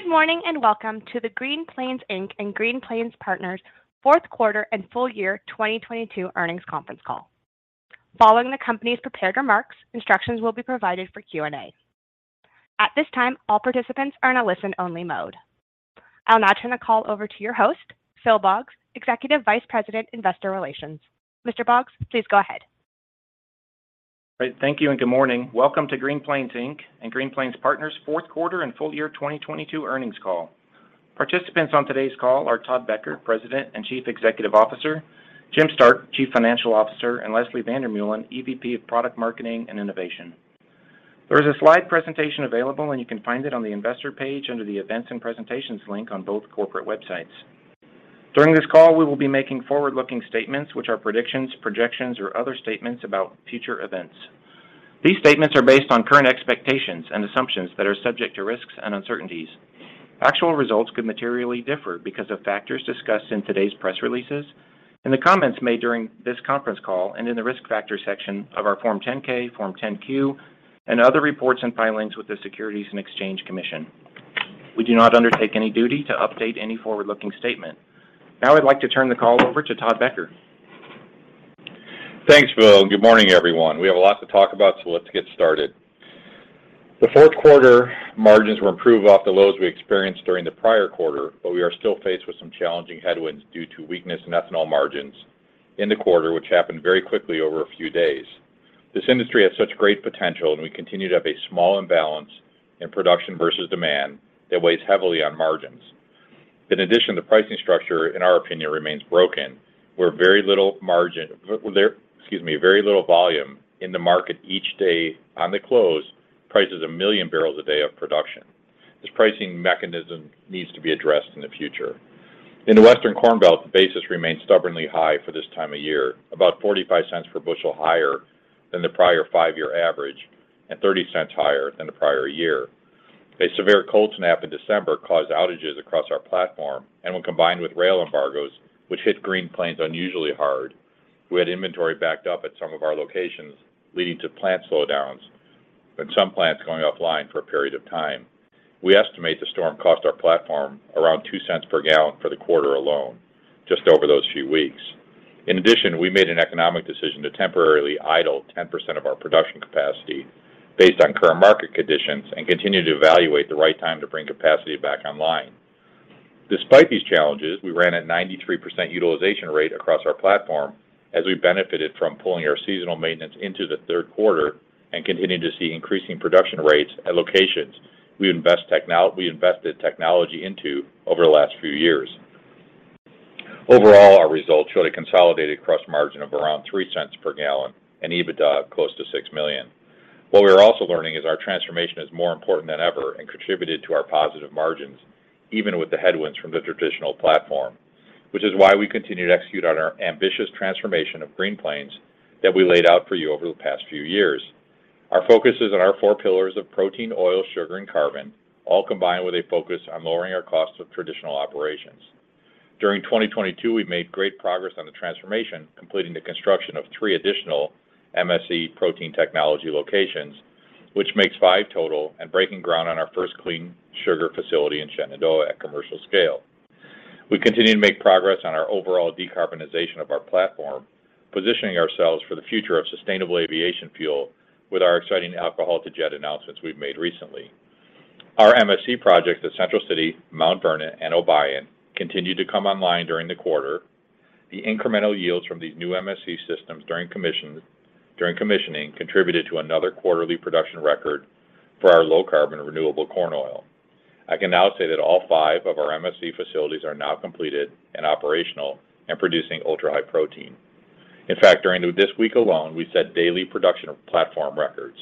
Good morning, and welcome to the Green Plains Inc. and Green Plains Partners Q4 and full year 2022 earnings conference call. Following the company's prepared remarks, instructions will be provided for Q&A. At this time, all participants are in a listen-only mode. I'll now turn the call over to your host, Phil Boggs, Executive Vice President, Investor Relations. Mr. Boggs, please go ahead. Great. Thank you and good morning. Welcome to Green Plains Inc. and Green Plains Partners Q4 and full year 2022 earnings call. Participants on today's call are Todd Becker, President and CEO, Jim Stark, CFO, and Leslie van der Meulen, EVP of Product Marketing and Innovation. There is a slide presentation available, and you can find it on the investor page under the Events and Presentations link on both corporate websites. During this call, we will be making forward-looking statements, which are predictions, projections, or other statements about future events. These statements are based on current expectations and assumptions that are subject to risks and uncertainties. Actual results could materially differ because of factors discussed in today's press releases, in the comments made during this conference call, and in the risk factor section of our Form 10-K, Form 10-Q, and other reports and filings with the Securities and Exchange Commission. We do not undertake any duty to update any forward-looking statement. Now I'd like to turn the call over to Todd Becker. Thanks, Phil. Good morning, everyone. We have a lot to talk about. Let's get started. The Q4 margins were improved off the lows we experienced during the prior quarter. We are still faced with some challenging headwinds due to weakness in ethanol margins in the quarter, which happened very quickly over a few days. This industry has such great potential. We continue to have a small imbalance in production versus demand that weighs heavily on margins. In addition, the pricing structure, in our opinion, remains broken, where very little excuse me, very little volume in the market each day on the close prices 1 million barrels a day of production. This pricing mechanism needs to be addressed in the future. In the Western Corn Belt, the basis remains stubbornly high for this time of year, about $0.45 per bushel higher than the prior 5-year average and $0.30 higher than the prior year. A severe cold snap in December caused outages across our platform and when combined with rail embargoes, which hit Green Plains unusually hard, we had inventory backed up at some of our locations, leading to plant slowdowns and some plants going offline for a period of time. We estimate the storm cost our platform around $0.02 per gallon for the quarter alone, just over those few weeks. In addition, we made an economic decision to temporarily idle 10% of our production capacity based on current market conditions and continue to evaluate the right time to bring capacity back online. Despite these challenges, we ran at 93% utilization rate across our platform as we benefited from pulling our seasonal maintenance into the Q3 and continuing to see increasing production rates at locations we invested technology into over the last few years. Overall, our results showed a consolidated cross margin of around $0.03 per gallon and EBITDA of close to $6 million. We are also learning is our transformation is more important than ever and contributed to our positive margins, even with the headwinds from the traditional platform, which is why we continue to execute on our ambitious transformation of Green Plains that we laid out for you over the past few years. Our focus is on our four pillars of protein, oil, sugar, and carbon, all combined with a focus on lowering our cost of traditional operations. During 2022, we made great progress on the transformation, completing the construction of 3 additional MSC protein technology locations, which makes 5 total and breaking ground on our first clean sugar facility in Shenandoah at commercial scale. We continue to make progress on our overall decarbonization of our platform, positioning ourselves for the future of sustainable aviation fuel with our exciting alcohol-to-jet announcements we've made recently. Our MSC projects at Central City, Mount Vernon, and Obion continued to come online during the quarter. The incremental yields from these new MSC systems during commissioning contributed to another quarterly production record for our low carbon renewable corn oil. I can now say that all 5 of our MSC facilities are now completed and operational and producing Ultra-High Protein. In fact, during this week alone, we set daily production platform records.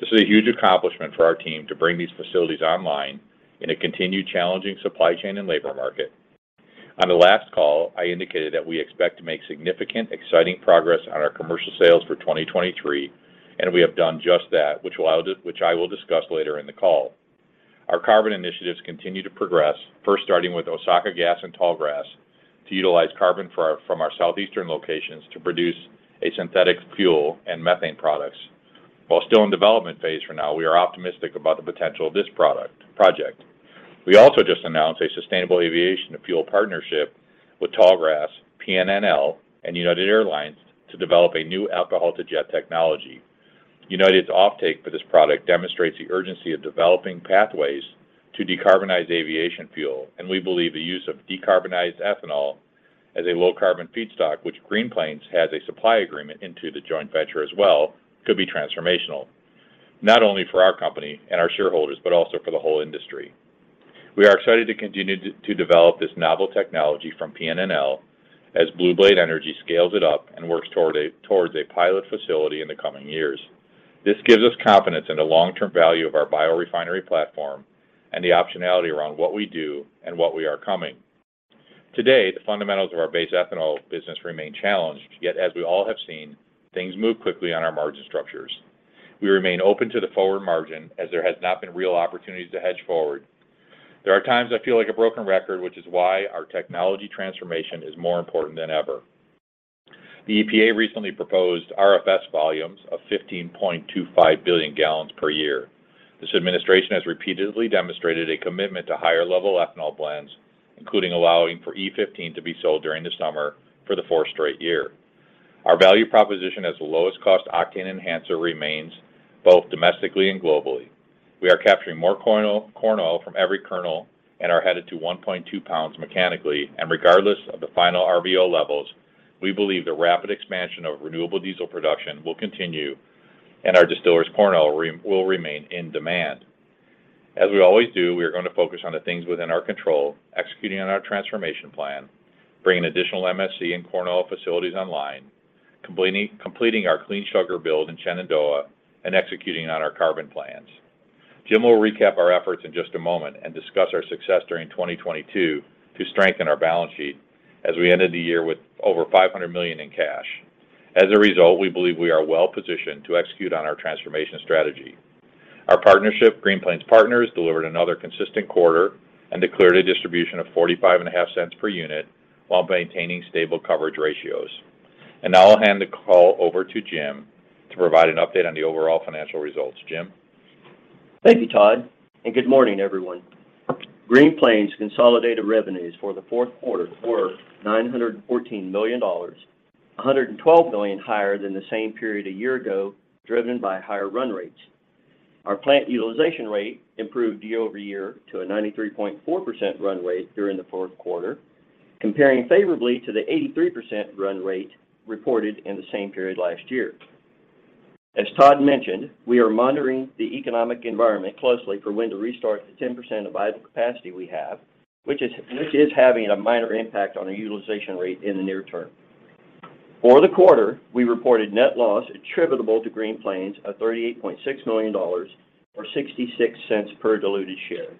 This is a huge accomplishment for our team to bring these facilities online in a continued challenging supply chain and labor market. On the last call, I indicated that we expect to make significant, exciting progress on our commercial sales for 2023. We have done just that, which I will discuss later in the call. First starting with Osaka Gas and Tallgrass to utilize carbon from our southeastern locations to produce a synthetic fuel and methane products. While still in development phase for now, we are optimistic about the potential of this project. We also just announced a sustainable aviation fuel partnership with Tallgrass, PNNL, and United Airlines to develop a new alcohol-to-jet technology. United's offtake for this product demonstrates the urgency of developing pathways to decarbonize aviation fuel. We believe the use of decarbonized ethanol as a low-carbon feedstock, which Green Plains has a supply agreement into the joint venture as well, could be transformational, not only for our company and our shareholders, but also for the whole industry. We are excited to continue to develop this novel technology from PNNL as Blue Blade Energy scales it up and works towards a pilot facility in the coming years. This gives us confidence in the long-term value of our biorefinery platform and the optionality around what we do and what we are coming. Today, the fundamentals of our base ethanol business remain challenged, yet as we all have seen, things move quickly on our margin structures. We remain open to the forward margin as there has not been real opportunities to hedge forward. There are times I feel like a broken record, which is why our technology transformation is more important than ever. The EPA recently proposed RFS volumes of 15.25 billion gallons per year. This administration has repeatedly demonstrated a commitment to higher level ethanol blends, including allowing for E15 to be sold during the summer for the fourth straight year. Our value proposition as the lowest cost octane enhancer remains both domestically and globally. We are capturing more corn oil, corn oil from every kernel and are headed to 1.2 pounds mechanically. Regardless of the final RVO levels, we believe the rapid expansion of renewable diesel production will continue and our distillers corn oil will remain in demand. As we always do, we are going to focus on the things within our control, executing on our transformation plan, bringing additional MSC and corn oil facilities online, completing our clean sugar build in Shenandoah, and executing on our carbon plans. Jim will recap our efforts in just a moment and discuss our success during 2022 to strengthen our balance sheet as we ended the year with over $500 million in cash. As a result, we believe we are well-positioned to execute on our transformation strategy. Our partnership, Green Plains Partners, delivered another consistent quarter and declared a distribution of $0.455 per unit while maintaining stable coverage ratios. Now I'll hand the call over to Jim to provide an update on the overall financial results. Jim? Thank you, Todd. Good morning, everyone. Green Plains' consolidated revenues for the Q4 were $914 million, $112 million higher than the same period a year ago, driven by higher run rates. Our plant utilization rate improved year-over-year to a 93.4% run rate during the Q4, comparing favorably to the 83% run rate reported in the same period last year. As Todd mentioned, we are monitoring the economic environment closely for when to restart the 10% of idle capacity we have, which is having a minor impact on our utilization rate in the near term. For the quarter, we reported net loss attributable to Green Plains of $38.6 million, or $0.66 per diluted share,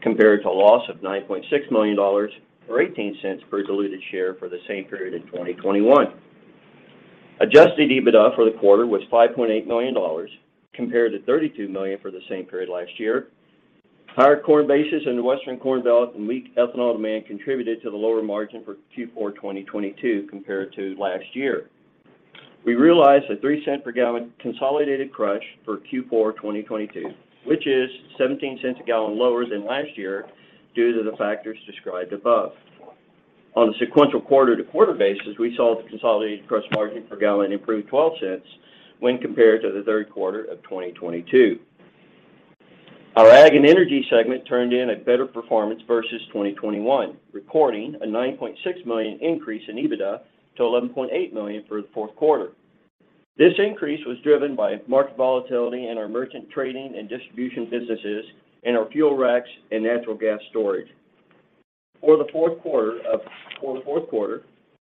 compared to a loss of $9.6 million, or $0.18 per diluted share for the same period in 2021. Adjusted EBITDA for the quarter was $5.8 million compared to $32 million for the same period last year. Higher corn basis in the Western Corn Belt and weak ethanol demand contributed to the lower margin for Q4 2022 compared to last year. We realized a $0.03 per gallon consolidated crush for Q4 2022, which is $0.17 a gallon lower than last year due to the factors described above. On a sequential quarter-to-quarter basis, we saw the consolidated crush margin per gallon improve $0.12 when compared to the Q3 of 2022. Our ag and energy segment turned in a better performance versus 2021, reporting a $9.6 million increase in EBITDA to $11.8 million for the Q4. This increase was driven by market volatility in our merchant trading and distribution businesses and our fuel racks and natural gas storage. For the Q4,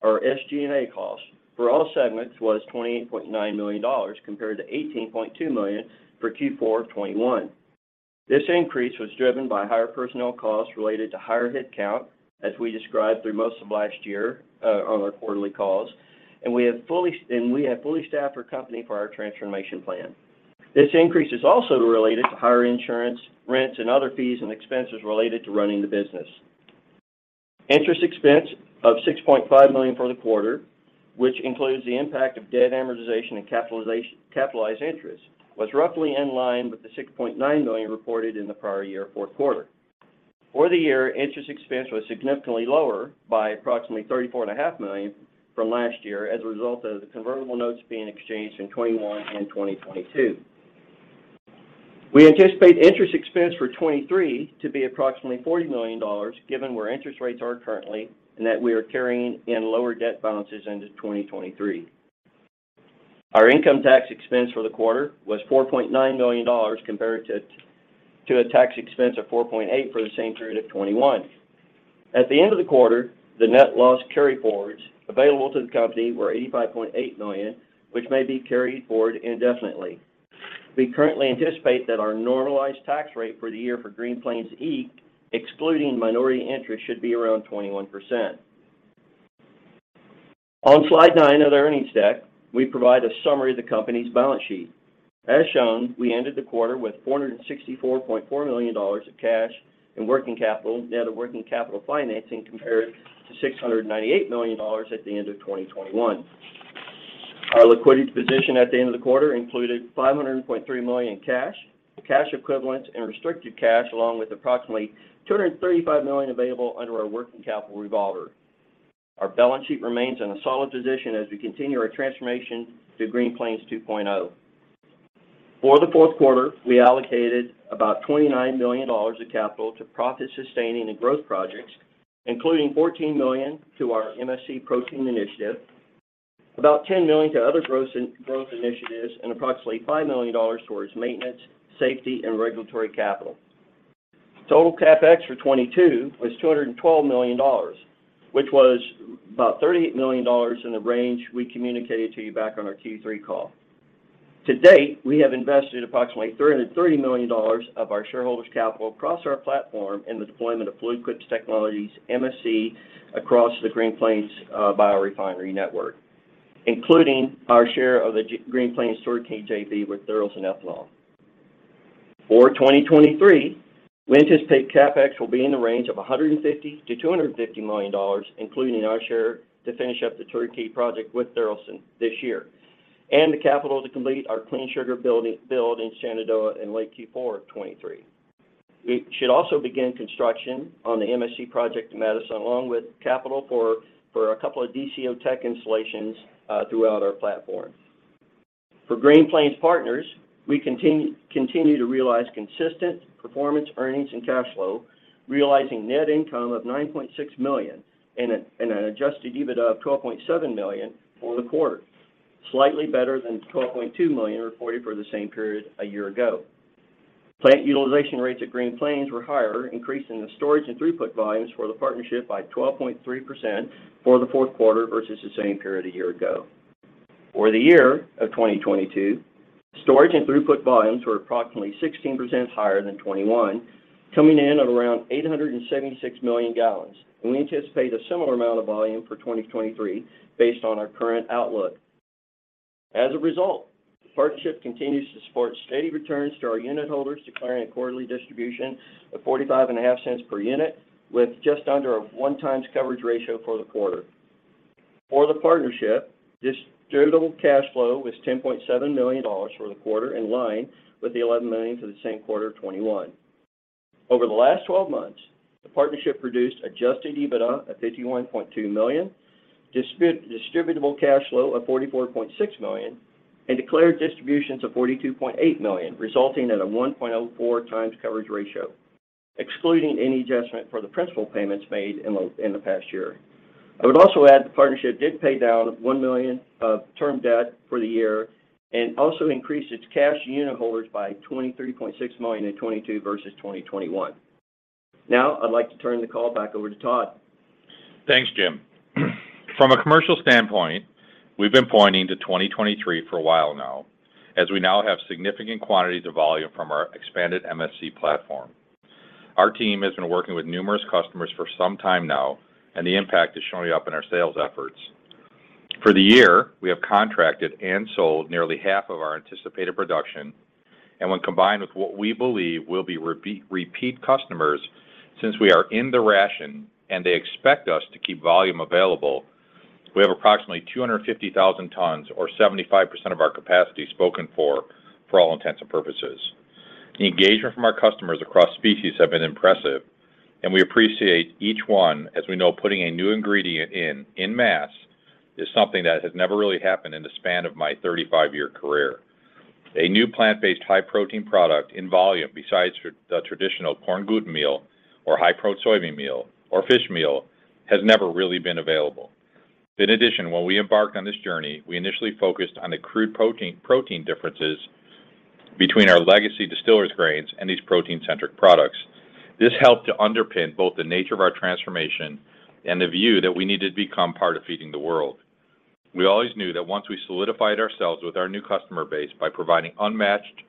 our SG&A costs for all segments was $28.9 million, compared to $18.2 million for Q4 of 2021. This increase was driven by higher personnel costs related to higher headcount, as we described through most of last year on our quarterly calls. We have fully staffed our company for our transformation plan. This increase is also related to higher insurance, rents, and other fees and expenses related to running the business. Interest expense of $6.5 million for the quarter, which includes the impact of debt amortization and capitalized interest, was roughly in line with the $6.9 million reported in the prior year Q4. For the year, interest expense was significantly lower by approximately 34 and a half million from last year as a result of the convertible notes being exchanged in 2021 and 2022. We anticipate interest expense for 2023 to be approximately $40 million, given where interest rates are currently and that we are carrying in lower debt balances into 2023. Our income tax expense for the quarter was $4.9 million compared to a tax expense of $4.8 million for the same period of 2021. At the end of the quarter, the net loss carryforwards available to the company were $85.8 million, which may be carried forward indefinitely. We currently anticipate that our normalized tax rate for the year for Green Plains Inc., excluding minority interest, should be around 21%. On slide 9 of the earnings deck, we provide a summary of the company's balance sheet. As shown, we ended the quarter with $464.4 million of cash and working capital net of working capital financing compared to $698 million at the end of 2021. Our liquidity position at the end of the quarter included $500.3 million in cash equivalents, and restricted cash, along with approximately $235 million available under our working capital revolver. Our balance sheet remains in a solid position as we continue our transformation to Green Plains 2.0. For the Q4, we allocated about $29 million of capital to profit-sustaining and growth projects, including $14 million to our MSC protein initiative, about $10 million to other growth initiatives, and approximately $5 million towards maintenance, safety, and regulatory capital. Total CapEx for 2022 was $212 million, which was about $38 million in the range we communicated to you back on our Q3 call. To date, we have invested approximately $330 million of our shareholders' capital across our platform in the deployment of Fluid Quip Technologies' MSC across the Green Plains biorefinery network, including our share of the Green Plains Storage JV with Tharaldson Ethanol. For 2023, we anticipate CapEx will be in the range of $150 million-$250 million, including our share to finish up the turnkey project with Tharaldson this year, and the capital to complete our clean sugar building in Shenandoah in late Q4 of 2023. We should also begin construction on the MSC project in Madison, along with capital for a couple of DCO tech installations throughout our platform. For Green Plains Partners, we continue to realize consistent performance earnings and cash flow, realizing net income of $9.6 million in an adjusted EBIT of $12.7 million for the quarter, slightly better than $12.2 million reported for the same period a year ago. Plant utilization rates at Green Plains were higher, increasing the storage and throughput volumes for the partnership by 12.3% for the Q4 versus the same period a year ago. The year of 2022, storage and throughput volumes were approximately 16% higher than 2021, coming in at around 876 million gallons. We anticipate a similar amount of volume for 2023 based on our current outlook. As a result, the partnership continues to support steady returns to our unit holders, declaring a quarterly distribution of forty-five and a half cents per unit with just under a 1 times coverage ratio for the quarter. For the partnership, distributable cash flow was $10.7 million for the quarter, in line with the $11 million for the same quarter of 2021. Over the last 12 months, the partnership produced adjusted EBITDA of $51.2 million, distributable cash flow of $44.6 million, and declared distributions of $42.8 million, resulting in a 1.04 times coverage ratio, excluding any adjustment for the principal payments made in the past year. I would also add the partnership did pay down $1 million of term debt for the year and also increased its cash unit holders by $23.6 million in 2022 versus 2021. Now, I'd like to turn the call back over to Todd. Thanks, Jim. From a commercial standpoint, we've been pointing to 2023 for a while now, as we now have significant quantities of volume from our expanded MSC platform. Our team has been working with numerous customers for some time now, the impact is showing up in our sales efforts. For the year, we have contracted and sold nearly half of our anticipated production. When combined with what we believe will be repeat customers, since we are in the ration and they expect us to keep volume available, we have approximately 250,000 tons or 75% of our capacity spoken for for all intents and purposes. The engagement from our customers across species have been impressive. We appreciate each one as we know putting a new ingredient in in mass is something that has never really happened in the span of my 35-year career. A new plant-based high protein product in volume besides the traditional corn gluten meal or high-pro soybean meal or fish meal has never really been available. In addition, when we embarked on this journey, we initially focused on the crude protein differences between our legacy distillers grains and these protein-centric products. This helped to underpin both the nature of our transformation and the view that we needed to become part of feeding the world. We always knew that once we solidified ourselves with our new customer base by providing unmatched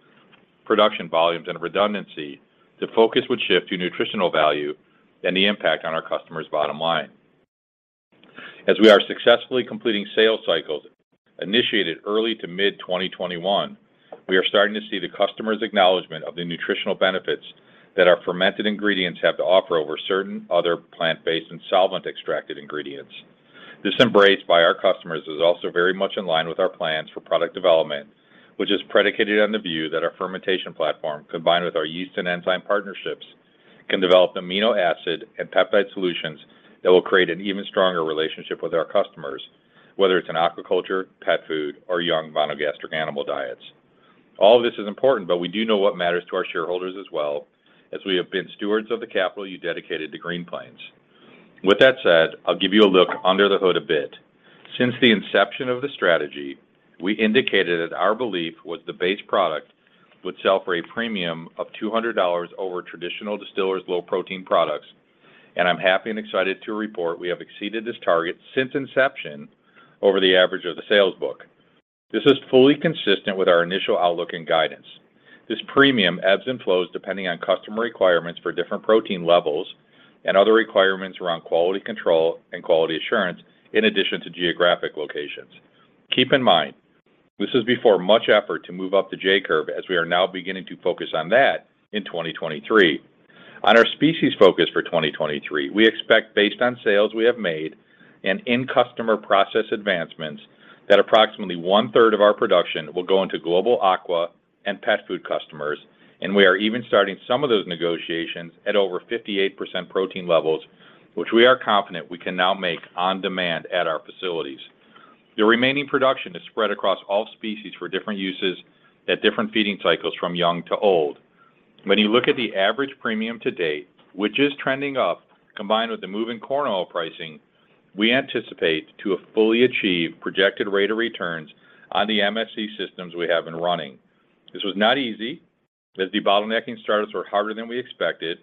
production volumes and redundancy, the focus would shift to nutritional value and the impact on our customer's bottom line. As we are successfully completing sales cycles initiated early to mid-2021, we are starting to see the customer's acknowledgment of the nutritional benefits that our fermented ingredients have to offer over certain other plant-based and solvent-extracted ingredients. This embrace by our customers is also very much in line with our plans for product development, which is predicated on the view that our fermentation platform, combined with our yeast and enzyme partnerships, can develop amino acid and peptide solutions that will create an even stronger relationship with our customers, whether it's in aquaculture, pet food or young monogastric animal diets. All this is important, but we do know what matters to our shareholders as well as we have been stewards of the capital you dedicated to Green Plains. With that said, I'll give you a look under the hood a bit. Since the inception of the strategy, we indicated that our belief was the base product would sell for a premium of $200 over traditional distillers' low protein products. I'm happy and excited to report we have exceeded this target since inception over the average of the sales book. This is fully consistent with our initial outlook and guidance. This premium ebbs and flows depending on customer requirements for different protein levels and other requirements around quality control and quality assurance, in addition to geographic locations. Keep in mind, this is before much effort to move up the J-curve as we are now beginning to focus on that in 2023. On our species focus for 2023, we expect based on sales we have made and in-customer process advancements, that approximately one-third of our production will go into global aqua and pet food customers, and we are even starting some of those negotiations at over 58% protein levels, which we are confident we can now make on demand at our facilities. The remaining production is spread across all species for different uses at different feeding cycles from young to old. When you look at the average premium to date, which is trending up, combined with the moving corn oil pricing, we anticipate to have fully achieved projected rate of returns on the MSC systems we have been running. This was not easy, as the bottlenecking startups were harder than we expected.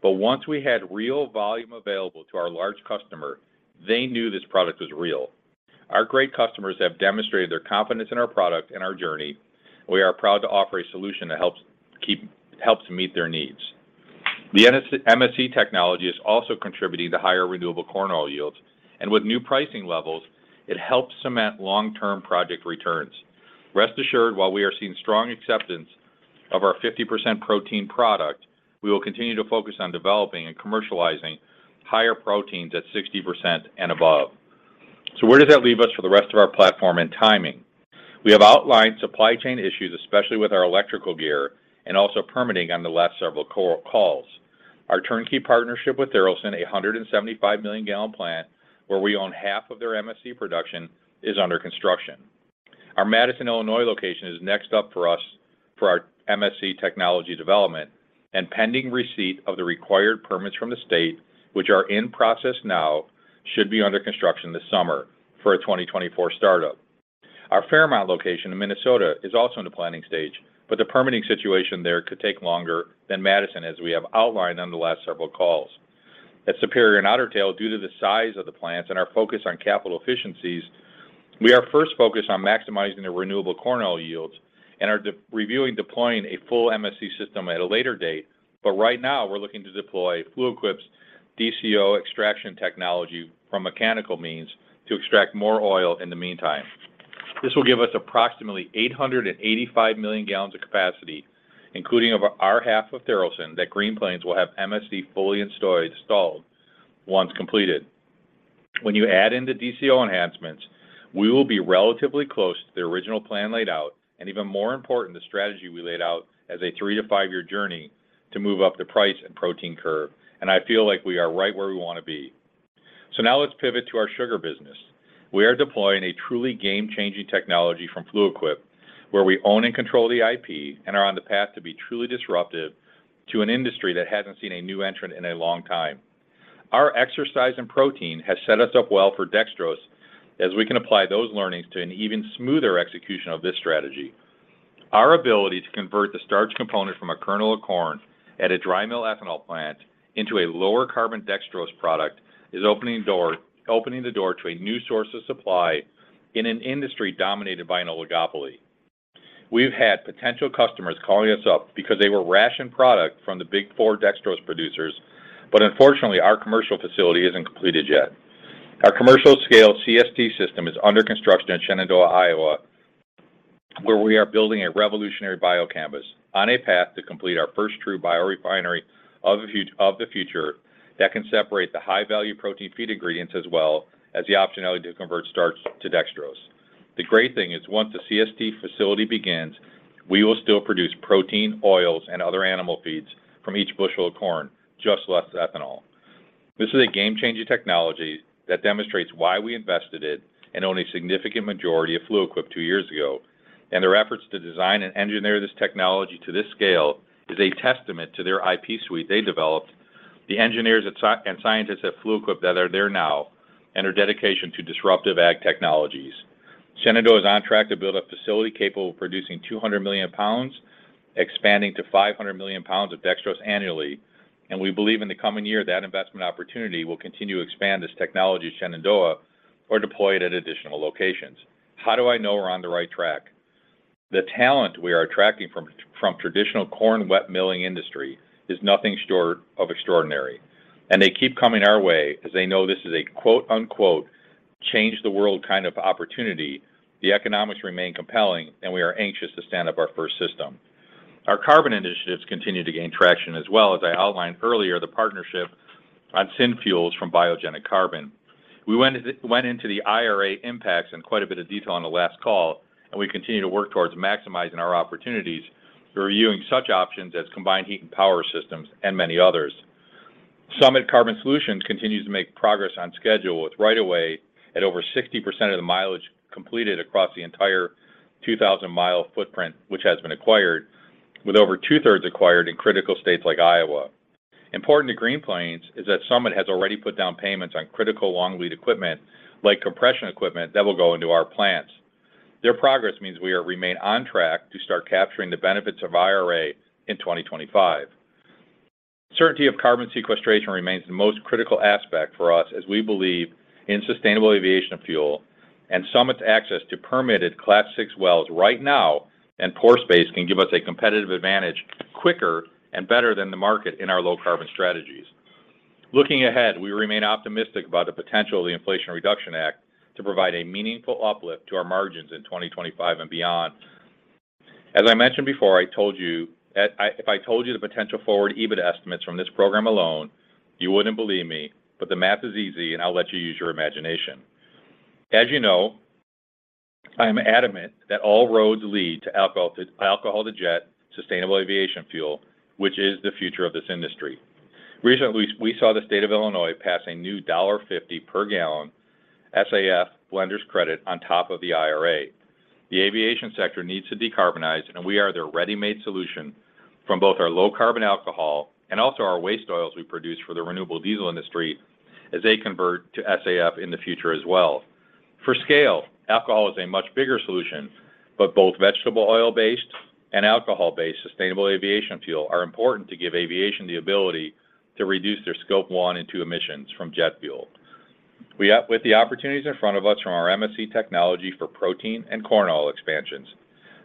Once we had real volume available to our large customer, they knew this product was real. Our great customers have demonstrated their confidence in our product and our journey. We are proud to offer a solution that helps meet their needs. The MSC technology is also contributing to higher renewable corn oil yields, and with new pricing levels, it helps cement long-term project returns. Rest assured, while we are seeing strong acceptance of our 50% protein product, we will continue to focus on developing and commercializing higher proteins at 60% and above. Where does that leave us for the rest of our platform and timing? We have outlined supply chain issues, especially with our electrical gear and also permitting on the last several co- calls. Our turnkey partnership with Tharaldson, a 175 million gallon plant where we own half of their MSC production, is under construction. Our Madison, Illinois location is next up for us for our MSC technology development and pending receipt of the required permits from the state, which are in process now, should be under construction this summer for a 2024 start-up. The permitting situation there could take longer than Madison, as we have outlined on the last several calls. At Superior and Otter Tail, due to the size of the plants and our focus on capital efficiencies, we are first focused on maximizing the renewable corn oil yields and are reviewing deploying a full MSC system at a later date. Right now we're looking to deploy Fluid Quip's DCO extraction technology from mechanical means to extract more oil in the meantime. This will give us approximately 885 million gallons of capacity, including over our half of Tharaldson, that Green Plains will have MSC fully installed once completed. When you add in the DCO enhancements, we will be relatively close to the original plan laid out and even more important, the strategy we laid out as a three to five year journey to move up the price and protein curve, I feel like we are right where we want to be. Now let's pivot to our sugar business. We are deploying a truly game-changing technology from Fluid Quip, where we own and control the IP and are on the path to be truly disruptive to an industry that hasn't seen a new entrant in a long time. Our exercise in protein has set us up well for dextrose, as we can apply those learnings to an even smoother execution of this strategy. Our ability to convert the starch component from a kernel of corn at a dry mill ethanol plant into a lower carbon dextrose product is opening the door to a new source of supply in an industry dominated by an oligopoly. We've had potential customers calling us up because they were rationed product from the big four dextrose producers. Unfortunately, our commercial facility isn't completed yet. Our commercial scale CST system is under construction in Shenandoah, Iowa, where we are building a revolutionary bio campus on a path to complete our first true biorefinery of the future that can separate the high-value protein feed ingredients as well as the optionality to convert starch to dextrose. The great thing is, once the CST facility begins, we will still produce protein, oils and other animal feeds from each bushel of corn, just less ethanol. This is a game-changing technology that demonstrates why we invested it and own a significant majority of Fluid Quip two years ago. Their efforts to design and engineer this technology to this scale is a testament to their IP suite they developed, the engineers at scientists at Fluid Quip that are there now, and their dedication to disruptive ag technologies. Shenandoah is on track to build a facility capable of producing 200 million pounds, expanding to 500 million pounds of dextrose annually. We believe in the coming year that investment opportunity will continue to expand this technology at Shenandoah or deploy it at additional locations. How do I know we're on the right track? The talent we are attracting from traditional corn wet milling industry is nothing short of extraordinary, and they keep coming our way as they know this is a quote unquote, "Change the world kind of opportunity." The economics remain compelling and we are anxious to stand up our first system. Our carbon initiatives continue to gain traction as well. As I outlined earlier, the partnership on syn fuels from biogenic carbon. We went into the IRA impacts in quite a bit of detail on the last call, and we continue to work towards maximizing our opportunities. We're reviewing such options as combined heat and power systems and many others. Summit Carbon Solutions continues to make progress on schedule with right of way at over 60% of the mileage completed across the entire 2,000 mile footprint, which has been acquired with over two-thirds acquired in critical states like Iowa. Important to Green Plains is that Summit has already put down payments on critical long lead equipment like compression equipment that will go into our plants. Their progress means we remain on track to start capturing the benefits of IRA in 2025. Certainty of carbon sequestration remains the most critical aspect for us as we believe in sustainable aviation fuel and Summit's access to permitted Class VI wells right now and pore space can give us a competitive advantage quicker and better than the market in our low carbon strategies. Looking ahead, we remain optimistic about the potential of the Inflation Reduction Act to provide a meaningful uplift to our margins in 2025 and beyond. As I mentioned before, I told you, if I told you the potential forward EBIT estimates from this program alone, you wouldn't believe me. The math is easy, and I'll let you use your imagination. As you know, I am adamant that all roads lead to alcohol-to-jet sustainable aviation fuel, which is the future of this industry. Recently, we saw the state of Illinois pass a new $1.50 per gallon SAF blender's credit on top of the IRA. The aviation sector needs to decarbonize, and we are their ready-made solution from both our low carbon alcohol and also our waste oils we produce for the renewable diesel industry as they convert to SAF in the future as well. For scale, alcohol is a much bigger solution, but both vegetable oil based and alcohol-based sustainable aviation fuel are important to give aviation the ability to reduce their Scope 1 and 2 emissions from jet fuel. With the opportunities in front of us from our MSC technology for protein and corn oil expansions,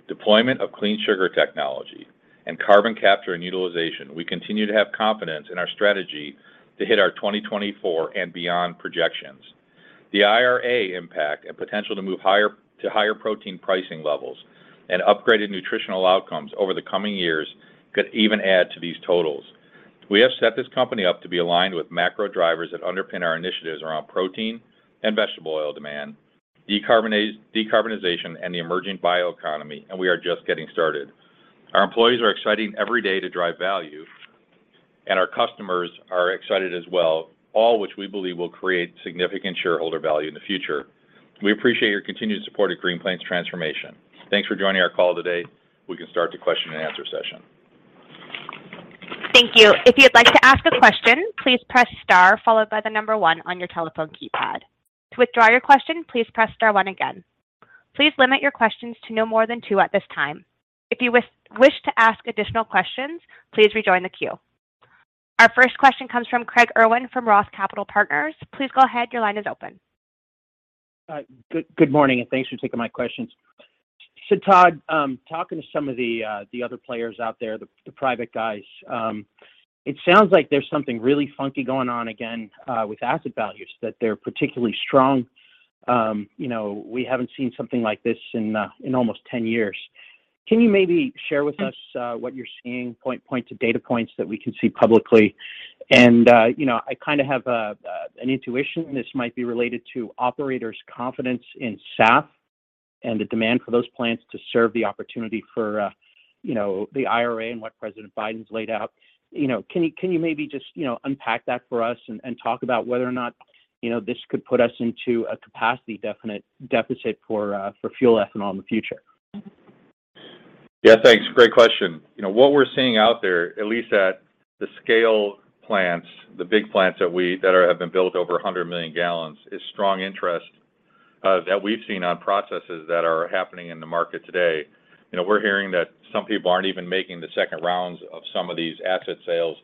deployment of clean sugar technology, and carbon capture and utilization, we continue to have confidence in our strategy to hit our 2024 and beyond projections. The IRA impact and potential to move to higher protein pricing levels and upgraded nutritional outcomes over the coming years could even add to these totals. We have set this company up to be aligned with macro drivers that underpin our initiatives around protein and vegetable oil demand, decarbonization, and the emerging bioeconomy. We are just getting started. Our employees are excited every day to drive value. Our customers are excited as well, all which we believe will create significant shareholder value in the future. We appreciate your continued support at Green Plains transformation. Thanks for joining our call today. We can start the question and answer session. Thank you. If you'd like to ask a question, please press star followed by the number 1 on your telephone keypad. To withdraw your question, please press star 1 again. Please limit your questions to no more than 2 at this time. If you wish to ask additional questions, please rejoin the queue. Our first question comes from Craig Irwin from Roth Capital Partners. Please go ahead. Your line is open. Good morning, and thanks for taking my questions. Todd, talking to some of the other players out there, the private guys, it sounds like there's something really funky going on again with asset values, that they're particularly strong. You know, we haven't seen something like this in almost 10 years. Can you maybe share with us what you're seeing, point to data points that we can see publicly? You know, I kinda have an intuition this might be related to operators' confidence in SAF and the demand for those plants to serve the opportunity for, you know, the IRA and what President Biden's laid out. You know, can you maybe just, you know, unpack that for us and talk about whether or not, you know, this could put us into a capacity deficit for fuel ethanol in the future? Yeah, thanks. Great question. You know, what we're seeing out there, at least at the scale plants, the big plants that have been built over 100 million gallons, is strong interest that we've seen on processes that are happening in the market today. You know, we're hearing that some people aren't even making the second rounds of some of these asset sales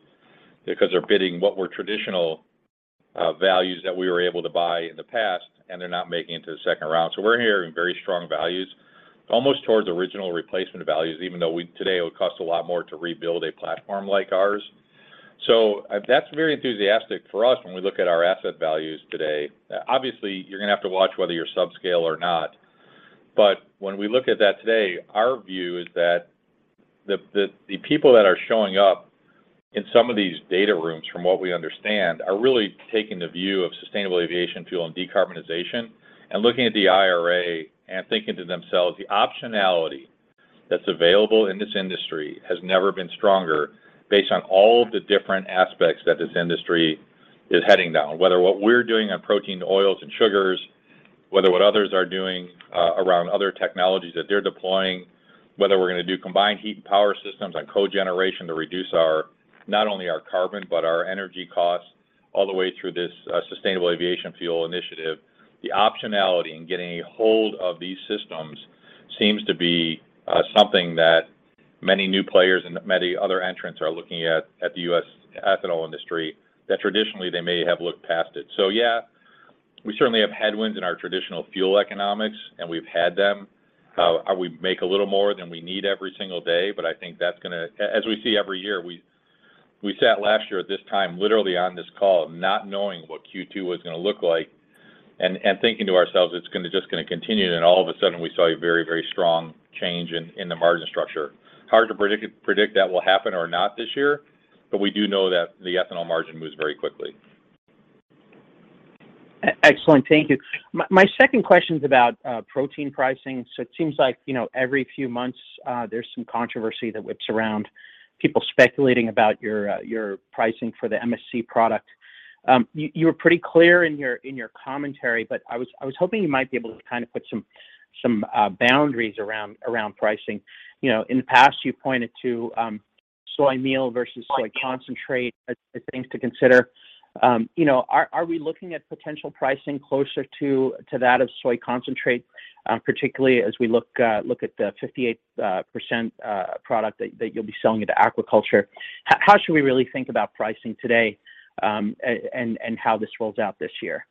because they're bidding what were traditional values that we were able to buy in the past, and they're not making it to the second round. We're hearing very strong values, almost towards original replacement values, even though today it would cost a lot more to rebuild a platform like ours. That's very enthusiastic for us when we look at our asset values today. Obviously, you're gonna have to watch whether you're subscale or not. When we look at that today, our view is that the people that are showing up in some of these data rooms, from what we understand, are really taking the view of sustainable aviation fuel and decarbonization and looking at the IRA and thinking to themselves the optionality that's available in this industry has never been stronger based on all of the different aspects that this industry is heading down. Whether what we're doing on protein oils and sugars, whether what others are doing around other technologies that they're deploying, whether we're gonna do combined heat and power systems on cogeneration to reduce not only our carbon, but our energy costs all the way through this sustainable aviation fuel initiative. The optionality in getting a hold of these systems seems to be something that many new players and many other entrants are looking at the U.S. ethanol industry, that traditionally they may have looked past it. Yeah, we certainly have headwinds in our traditional fuel economics, and we've had them. We make a little more than we need every single day, but I think that's as we see every year. We sat last year at this time literally on this call not knowing what Q2 was gonna look like and thinking to ourselves it's just gonna continue, and all of a sudden we saw a very, very strong change in the margin structure. Hard to predict that will happen or not this year, but we do know that the ethanol margin moves very quickly. Excellent. Thank you. My second question's about protein pricing. It seems like, you know, every few months, there's some controversy that whips around people speculating about your pricing for the MSC product. You were pretty clear in your commentary, but I was hoping you might be able to kind of put some boundaries around pricing. You know, in the past, you pointed to soy meal versus soy concentrate as things to consider. You know, are we looking at potential pricing closer to that of soy concentrate, particularly as we look at the 58% product that you'll be selling into aquaculture? How should we really think about pricing today, and how this rolls out this year?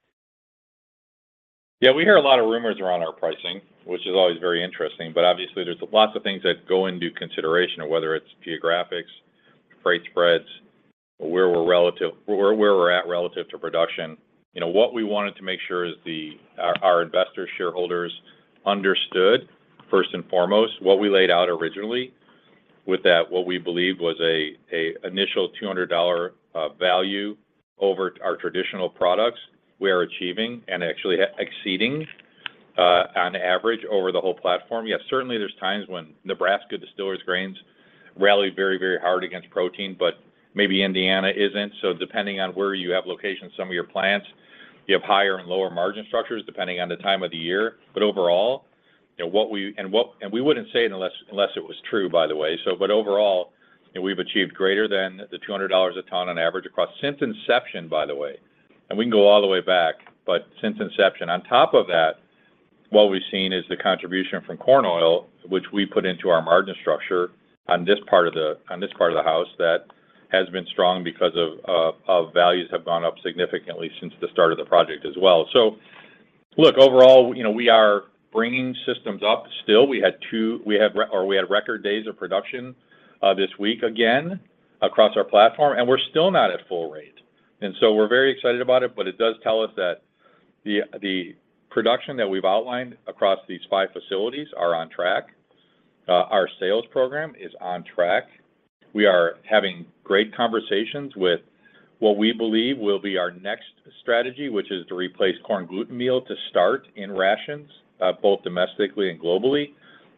Yeah, we hear a lot of rumors around our pricing, which is always very interesting. Obviously, there's lots of things that go into consideration, whether it's geographics, freight spreads, where we're at relative to production. You know, what we wanted to make sure is our investor shareholders understood first and foremost what we laid out originally with that what we believed was a initial $200 value over our traditional products we are achieving and actually exceeding on average over the whole platform. Yes, certainly there's times when Nebraska distillers' grains rallied very, very hard against protein, but maybe Indiana isn't. Depending on where you have locations, some of your plants, you have higher and lower margin structures depending on the time of the year. Overall, you know, we wouldn't say it unless it was true, by the way. Overall, you know, we've achieved greater than the $200 a ton on average across since inception, by the way. We can go all the way back, but since inception. What we've seen is the contribution from corn oil, which we put into our margin structure on this part of the house that has been strong because of values have gone up significantly since the start of the project as well. Look, overall, you know, we are bringing systems up still. We had record days of production this week again across our platform, and we're still not at full rate. We're very excited about it, but it does tell us that the production that we've outlined across these 5 facilities are on track. Our sales program is on track. We are having great conversations with what we believe will be our next strategy, which is to replace corn gluten meal to start in rations, both domestically and globally.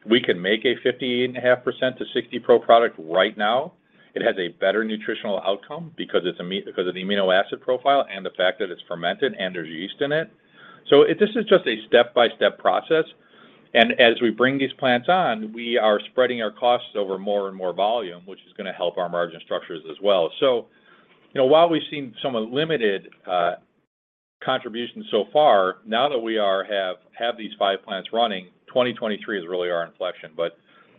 We can make a 58.5% to 60% pro product right now. It has a better nutritional outcome because of the amino acid profile and the fact that it's fermented and there's yeast in it. This is just a step-by-step process. As we bring these plants on, we are spreading our costs over more and more volume, which is gonna help our margin structures as well. You know, while we've seen some limited contributions so far, now that we have these five plants running, 2023 is really our inflection.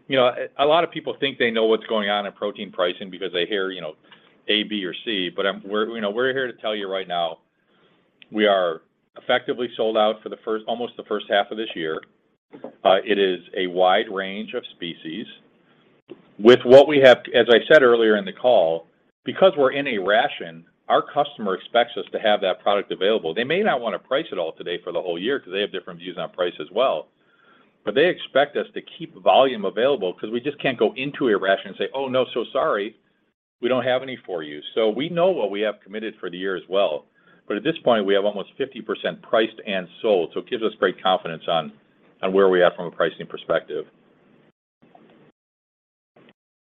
You know, a lot of people think they know what's going on in protein pricing because they hear, you know, A, B, or C. We're, you know, we're here to tell you right now we are effectively sold out for almost the first half of this year. It is a wide range of species. With what we have, as I said earlier in the call, because we're in a ration, our customer expects us to have that product available. They may not wanna price it all today for the whole year because they have different views on price as well. They expect us to keep volume available because we just can't go into a ration and say, "Oh, no, so sorry. We don't have any for you." We know what we have committed for the year as well. At this point, we have almost 50% priced and sold. It gives us great confidence on where we are from a pricing perspective.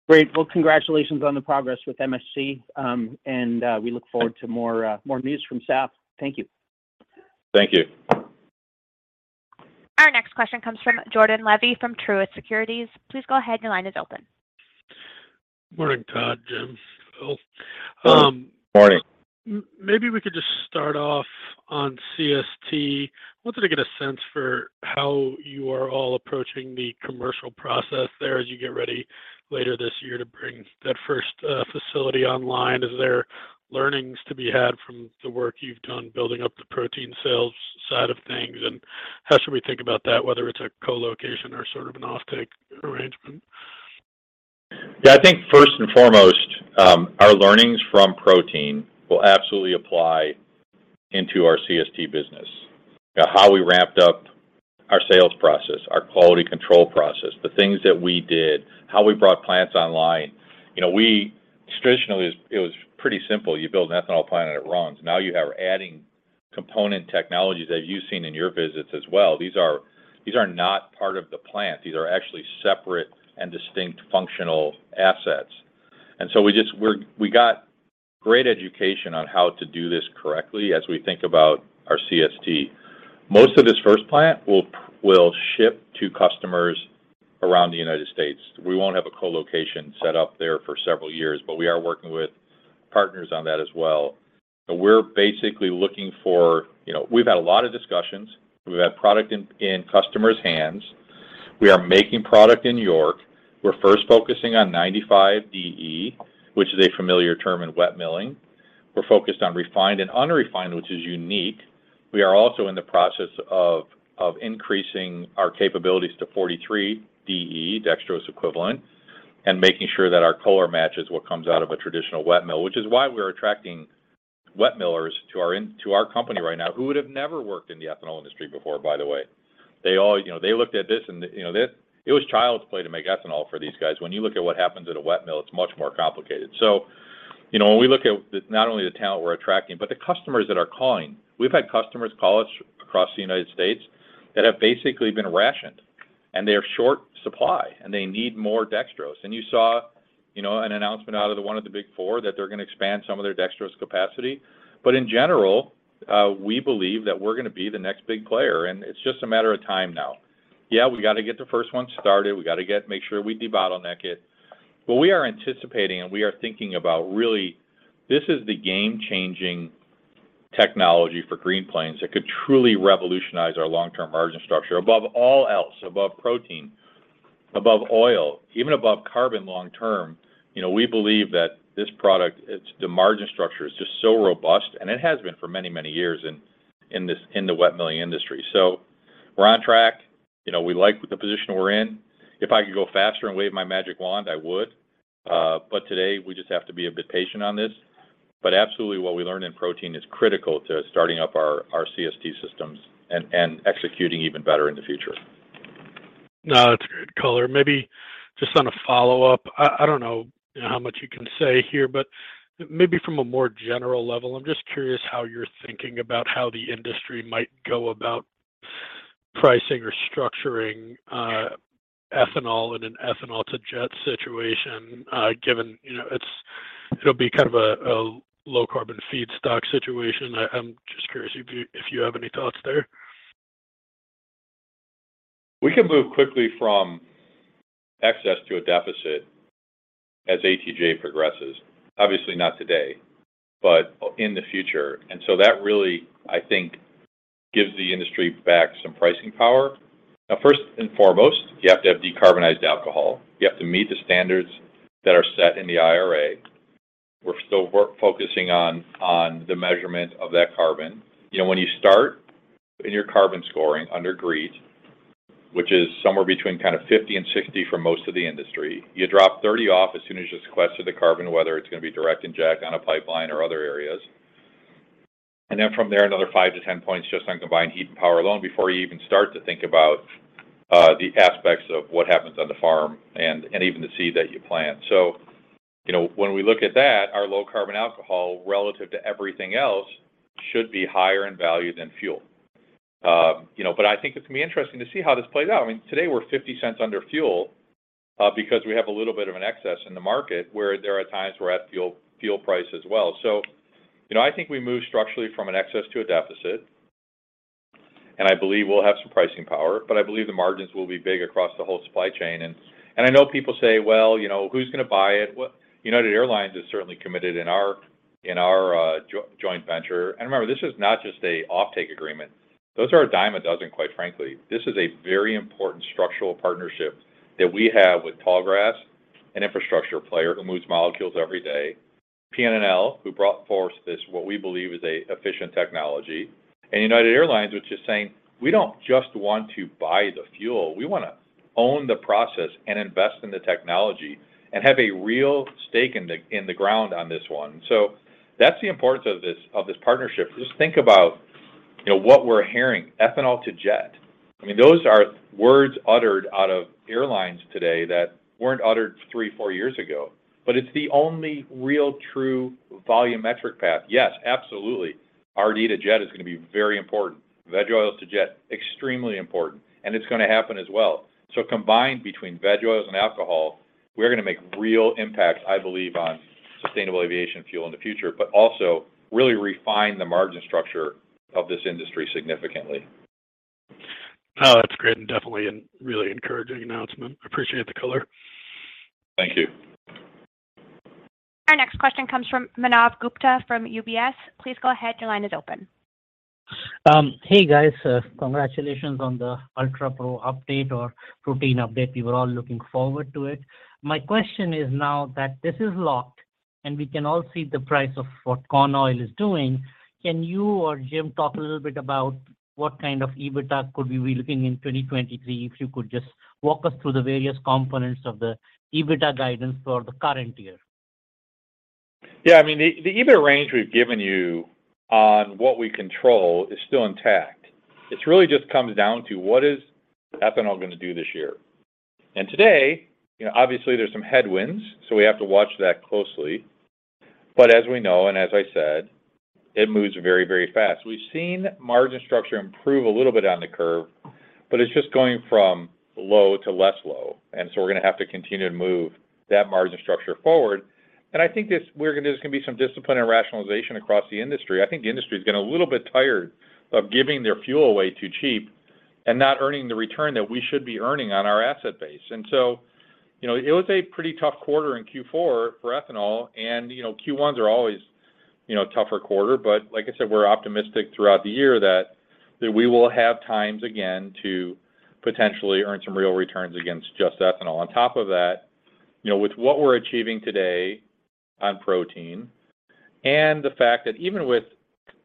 Great. Well, congratulations on the progress with MSC, and we look forward to more news from South. Thank you. Thank you. Our next question comes from Jordan Levy from Truist Securities. Please go ahead. Your line is open. Morning, Todd, Jim, Phil. Morning. Maybe we could just start off on CST. Wanted to get a sense for how you are all approaching the commercial process there as you get ready later this year to bring that first facility online. Is there learnings to be had from the work you've done building up the protein sales side of things? How should we think about that, whether it's a co-location or sort of an offtake arrangement? Yeah. I think first and foremost, our learnings from protein will absolutely apply into our CST business. How we ramped up our sales process, our quality control process, the things that we did, how we brought plants online. You know, traditionally, it was pretty simple. You build an ethanol plant, it runs. Now you have adding component technologies that you've seen in your visits as well. These are not part of the plant. These are actually separate and distinct functional assets. We got great education on how to do this correctly as we think about our CST. Most of this first plant will ship to customers around the United States. We won't have a co-location set up there for several years, we are working with partners on that as well. We're basically looking for, you know, we've had a lot of discussions. We've had product in customers' hands. We are making product in York. We're first focusing on 95 DE, which is a familiar term in wet milling. We're focused on refined and unrefined, which is unique. We are also in the process of increasing our capabilities to 43 DE, dextrose equivalent, and making sure that our color matches what comes out of a traditional wet mill, which is why we're attracting wet millers to our company right now who would have never worked in the ethanol industry before, by the way. They all, you know, they looked at this, and, you know, it was child's play to make ethanol for these guys. When you look at what happens at a wet mill, it's much more complicated. you know, when we look at not only the talent we're attracting, but the customers that are calling. We've had customers call us across the United States that have basically been rationed, and they are short supply, and they need more dextrose. you saw, you know, an announcement out of the 1 of the big 4 that they're gonna expand some of their dextrose capacity. in general, we believe that we're gonna be the next big player, and it's just a matter of time now. we got to get the first one started. Make sure we debottleneck it. we are anticipating, and we are thinking about, really, this is the game-changing technology for Green Plains that could truly revolutionize our long-term margin structure above all else, above protein, above oil, even above carbon long term. You know, we believe that this product, the margin structure is just so robust, and it has been for many, many years in the wet milling industry. We're on track. You know, we like the position we're in. If I could go faster and wave my magic wand, I would. Today, we just have to be a bit patient on this. Absolutely what we learned in protein is critical to starting up our CST systems and executing even better in the future. No, that's a good color. Maybe just on a follow-up, I don't know how much you can say here, but maybe from a more general level, I'm just curious how you're thinking about how the industry might go about pricing or structuring ethanol in an ethanol-to-jet situation, given, you know, it'll be kind of a low-carbon feedstock situation. I'm just curious if you have any thoughts there. We can move quickly from excess to a deficit as ATJ progresses. Obviously not today, but in the future. That really, I think, gives the industry back some pricing power. Now, first and foremost, you have to have decarbonized alcohol. You have to meet the standards that are set in the IRA. We're still focusing on the measurement of that carbon. You know, when you start in your carbon scoring under GREET, which is somewhere between kind of 50 and 60 for most of the industry, you drop 30 off as soon as you sequester the carbon, whether it's going to be direct inject on a pipeline or other areas. From there, another 5-10 points just on combined heat and power alone before you even start to think about the aspects of what happens on the farm and even the seed that you plant. You know, when we look at that, our low carbon alcohol relative to everything else should be higher in value than fuel. You know, but I think it's going to be interesting to see how this plays out. Today we're $0.50 under fuel because we have a little bit of an excess in the market, where there are times we're at fuel price as well. You know, I think we move structurally from an excess to a deficit, and I believe we'll have some pricing power, but I believe the margins will be big across the whole supply chain. I know people say, "Well, you know, who's gonna buy it?" United Airlines is certainly committed in our joint venture. Remember, this is not just a offtake agreement. Those are a dime a dozen, quite frankly. This is a very important structural partnership that we have with Tallgrass, an infrastructure player who moves molecules every day, PNNL, who brought forth this what we believe is a efficient technology, and United Airlines, which is saying, "We don't just want to buy the fuel. We wanna own the process and invest in the technology and have a real stake in the ground on this one." That's the importance of this partnership. Just think about, you know, what we're hearing, ethanol to jet. I mean, those are words uttered out of airlines today that weren't uttered three, four years ago. It's the only real true volumetric path. Yes, absolutely. RD to jet is gonna be very important. Veg oils to jet, extremely important. It's gonna happen as well. Combined between veg oils and alcohol, we're gonna make real impacts, I believe, on sustainable aviation fuel in the future, but also really refine the margin structure of this industry significantly. Oh, that's great, and definitely a really encouraging announcement. Appreciate the color. Thank you. Our next question comes from Manav Gupta from UBS. Please go ahead. Your line is open. Hey guys, congratulations on the UltraPro update or protein update. We were all looking forward to it. My question is now that this is locked, and we can all see the price of what corn oil is doing, can you or Jim talk a little bit about what kind of EBITDA could we be looking in 2023, if you could just walk us through the various components of the EBITDA guidance for the current year? Yeah. I mean, the EBITDA range we've given you on what we control is still intact. It really just comes down to what is ethanol going to do this year. Today, you know, obviously there's some headwinds, so we have to watch that closely. As we know, and as I said, it moves very, very fast. We've seen margin structure improve a little bit on the curve, but it's just going from low to less low. So we're going to have to continue to move that margin structure forward. I think there's going to be some discipline and rationalization across the industry. I think the industry's getting a little bit tired of giving their fuel away too cheap and not earning the return that we should be earning on our asset base. You know, it was a pretty tough quarter in Q4 for ethanol and, you know, Q1s are always, you know, a tougher quarter. Like I said, we're optimistic throughout the year that we will have times again to potentially earn some real returns against just ethanol. On top of that, you know, with what we're achieving today on protein and the fact that even with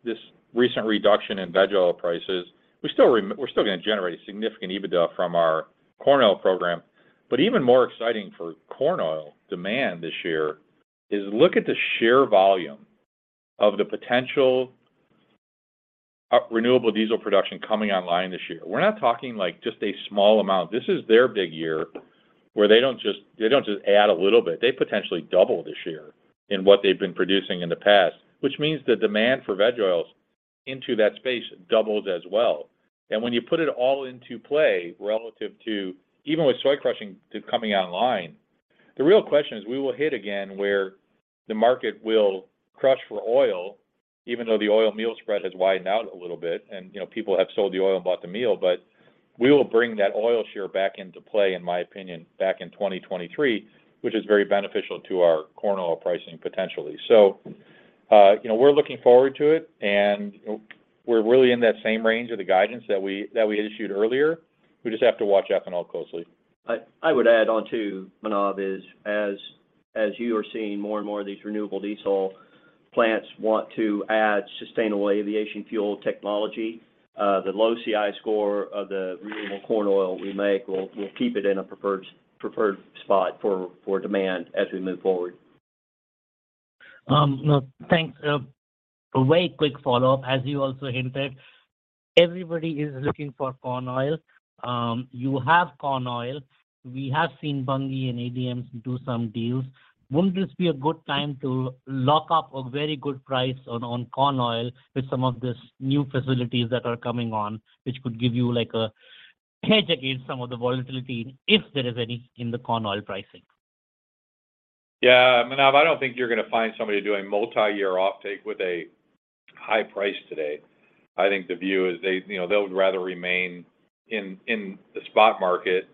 this recent reduction in veg oil prices, we still we're still gonna generate a significant EBITDA from our corn oil program. Even more exciting for corn oil demand this year is look at the sheer volume of the potential renewable diesel production coming online this year. We're not talking like just a small amount. This is their big year where they don't just add a little bit. They potentially double this year in what they've been producing in the past, which means the demand for veg oils into that space doubles as well. When you put it all into play relative to even with soy crushing coming online, the real question is we will hit again where the market will crush for oil, even though the oil meal spread has widened out a little bit and, you know, people have sold the oil and bought the meal, but we will bring that oil share back into play, in my opinion, back in 2023, which is very beneficial to our corn oil pricing potentially. You know, we're looking forward to it, and we're really in that same range of the guidance that we had issued earlier. We just have to watch ethanol closely. I would add on to Manav is as you are seeing more and more of these renewable diesel plants want to add sustainable aviation fuel technology, the low CI score of the renewable corn oil we make will keep it in a preferred spot for demand as we move forward. Thanks. A very quick follow-up. As you also hinted, everybody is looking for corn oil. You have corn oil. We have seen Bunge and ADM do some deals. Wouldn't this be a good time to lock up a very good price on corn oil with some of these new facilities that are coming on, which could give you like a hedge against some of the volatility, if there is any, in the corn oil pricing? Yeah, Manav, I don't think you're gonna find somebody doing multi-year offtake with a high price today. I think the view is they, you know, they would rather remain in the spot market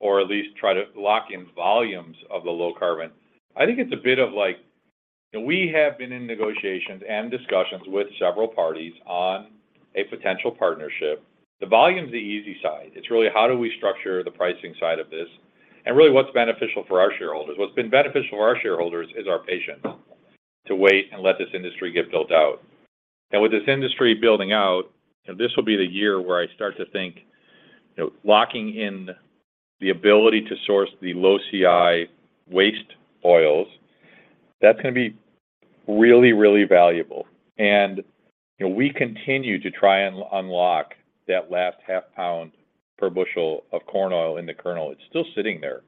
or at least try to lock in volumes of the low carbon. I think it's a bit of like, we have been in negotiations and discussions with several parties on a potential partnership. The volume's the easy side. It's really how do we structure the pricing side of this, and really what's beneficial for our shareholders. What's been beneficial for our shareholders is our patience to wait and let this industry get built out. With this industry building out, and this will be the year where I start to think, you know, locking in the ability to source the low CI waste oils, that's gonna be really valuable. You know, we continue to try and unlock that last half pound per bushel of corn oil in the kernel. It's still sitting there.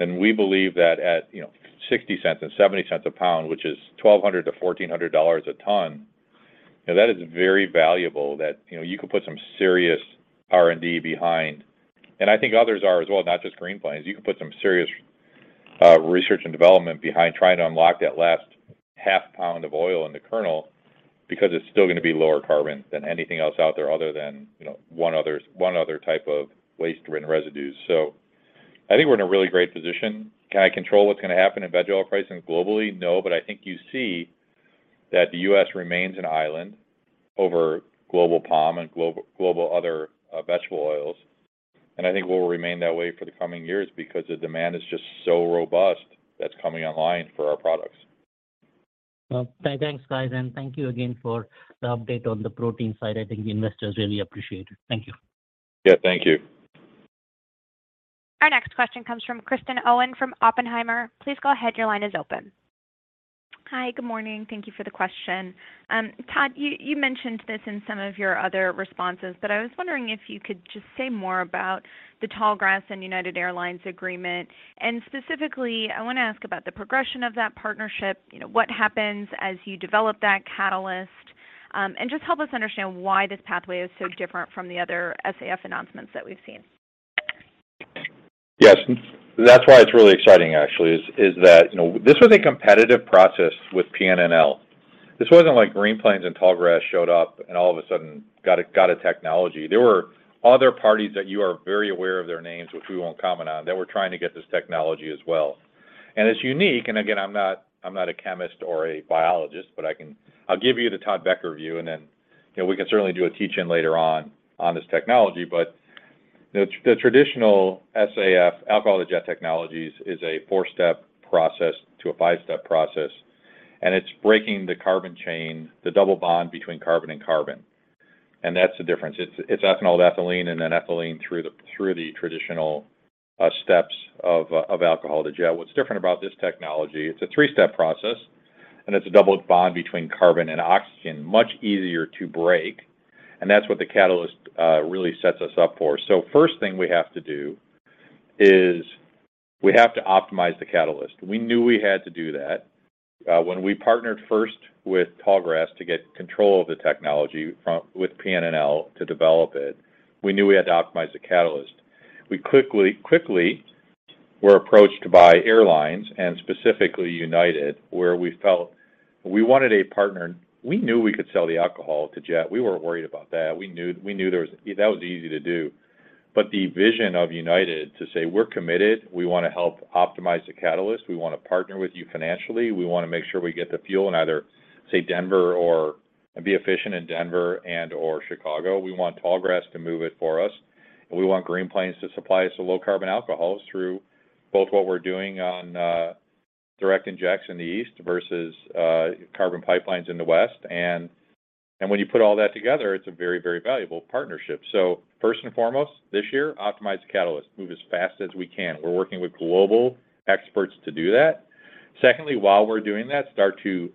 We believe that at, you know, $0.60 and $0.70 a pound, which is $1,200 to $1,400 a ton, you know, that is very valuable that, you know, you could put some serious R&D behind. I think others are as well, not just Green Plains. You could put some serious research and development behind trying to unlock that last half pound of oil in the kernel because it's still gonna be lower carbon than anything else out there other than, you know, one other type of waste-ridden residues. I think we're in a really great position. Can I control what's gonna happen in veg oil pricing globally? I think you see that the U.S. remains an island over global palm and global other vegetable oils. I think we'll remain that way for the coming years because the demand is just so robust that's coming online for our products. Well, thanks, guys. Thank you again for the update on the protein side. I think the investors really appreciate it. Thank you. Yeah, thank you. Our next question comes from Kristen Owen from Oppenheimer. Please go ahead, your line is open. Hi, good morning. Thank you for the question. Todd, you mentioned this in some of your other responses, but I was wondering if you could just say more about the Tallgrass and United Airlines agreement. Specifically, I want to ask about the progression of that partnership, you know, what happens as you develop that catalyst, and just help us understand why this pathway is so different from the other SAF announcements that we've seen. Yes. That's why it's really exciting actually, is that, you know, this was a competitive process with PNNL. This wasn't like Green Plains and Tallgrass showed up and all of a sudden got a technology. There were other parties that you are very aware of their names, which we won't comment on, that were trying to get this technology as well. It's unique, and again, I'm not, I'm not a chemist or a biologist, but I'll give you the Todd Becker view, and then, you know, we can certainly do a teach-in later on on this technology. The traditional SAF, alcohol-to-jet technologies is a four-step process to a five-step process, and it's breaking the carbon chain, the double bond between carbon and carbon. That's the difference. It's ethanol to ethylene, then ethylene through the traditional steps of alcohol-to-jet. What's different about this technology, it's a three-step process, it's a double bond between carbon and oxygen, much easier to break. That's what the catalyst really sets us up for. First thing we have to do is we have to optimize the catalyst. We knew we had to do that. When we partnered first with Tallgrass to get control of the technology from, with PNNL to develop it, we knew we had to optimize the catalyst. We quickly were approached by airlines, specifically United, where we felt we wanted a partner. We knew we could sell the alcohol-to-jet. We weren't worried about that. We knew that was easy to do. The vision of United to say, "We're committed. We want to help optimize the catalyst. We want to partner with you financially. We want to make sure we get the fuel in either, say, Denver or, be efficient in Denver and/or Chicago. We want Tallgrass to move it for us, and we want Green Plains to supply us with low carbon alcohols through both what we're doing on direct injects in the East versus carbon pipelines in the West." When you put all that together, it's a very, very valuable partnership. First and foremost, this year, optimize the catalyst. Move as fast as we can. We're working with global experts to do that. Secondly, while we're doing that, start to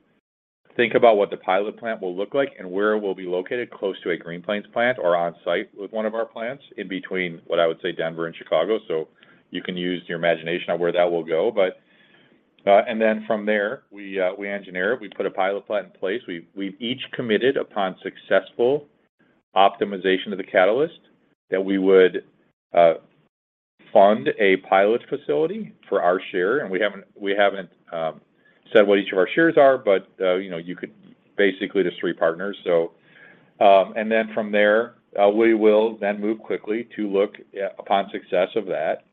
think about what the pilot plant will look like and where it will be located close to a Green Plains plant or on site with one of our plants in between, what I would say, Denver and Chicago. You can use your imagination of where that will go. From there, we engineer it. We put a pilot plant in place. We've each committed upon successful optimization of the catalyst that we would fund a pilot facility for our share. We haven't, we haven't said what each of our shares are, but, you know, you could basically just three partners. From there, we will then move quickly to look upon success of that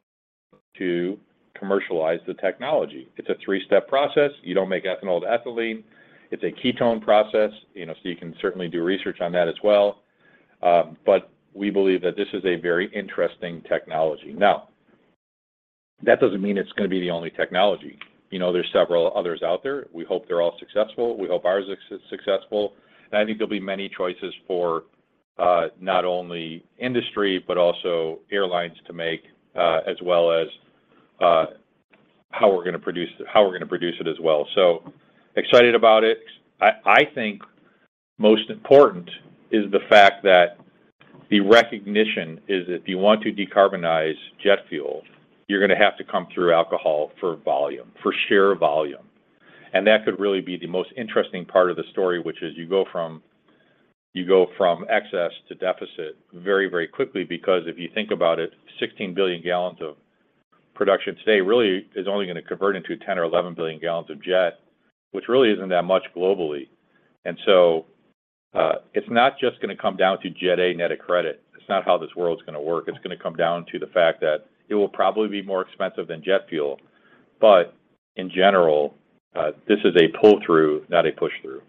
to commercialize the technology. It's a three-step process. You don't make ethanol to ethylene. It's a ketone process, you know, you can certainly do research on that as well. We believe that this is a very interesting technology. That doesn't mean it's gonna be the only technology. You know, there's several others out there. We hope they're all successful. We hope ours is successful. I think there'll be many choices for not only industry, but also airlines to make, as well as how we're gonna produce, how we're gonna produce it as well. Excited about it. I think most important is the fact that the recognition is if you want to decarbonize jet fuel, you're gonna have to come through alcohol for volume, for sheer volume. That could really be the most interesting part of the story, which is you go from excess to deficit very, very quickly because if you think about it, 16 billion gallons of production today really is only going to convert into 10 or 11 billion gallons of jet, which really isn't that much globally. It's not just going to come down to Jet A net of credit. It's not how this world's going to work. It's going to come down to the fact that it will probably be more expensive than jet fuel. In general, this is a pull-through, not a push-through.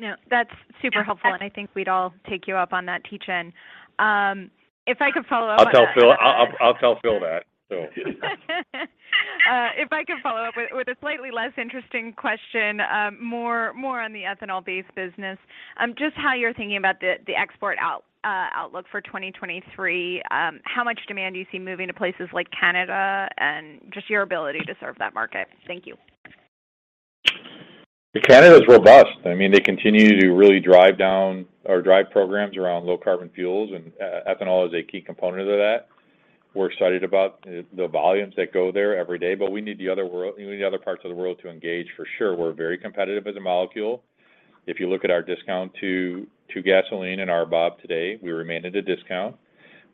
No, that's super helpful, and I think we'd all take you up on that teach-in. If I could follow up. I'll tell Phil, I'll tell Phil that, so. If I could follow up with a slightly less interesting question, more on the ethanol-based business, just how you're thinking about the export outlook for 2023. How much demand do you see moving to places like Canada and just your ability to serve that market? Thank you. Canada is robust. I mean, they continue to really drive down or drive programs around low carbon fuels, and ethanol is a key component of that. We're excited about the volumes that go there every day, but we need the other parts of the world to engage for sure. We're very competitive as a molecule. If you look at our discount to gasoline and RBOB today, we remain at a discount.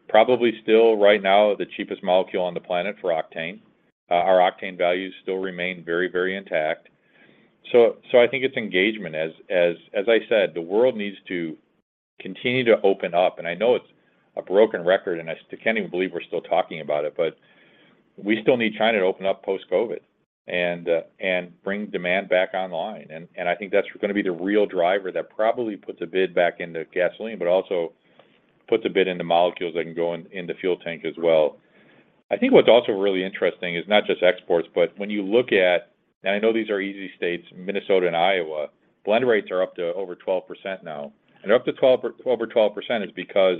Probably still right now, the cheapest molecule on the planet for octane. Our octane values still remain very, very intact. I think it's engagement. I said, the world needs to continue to open up. I know it's a broken record, I still can't even believe we're still talking about it, but we still need China to open up post-COVID and bring demand back online. I think that's gonna be the real driver that probably puts a bid back into gasoline, but also puts a bid into molecules that can go in the fuel tank as well. I think what's also really interesting is not just exports, but when you look at, I know these are easy states, Minnesota and Iowa, blend rates are up to over 12% now. Up to 12% is because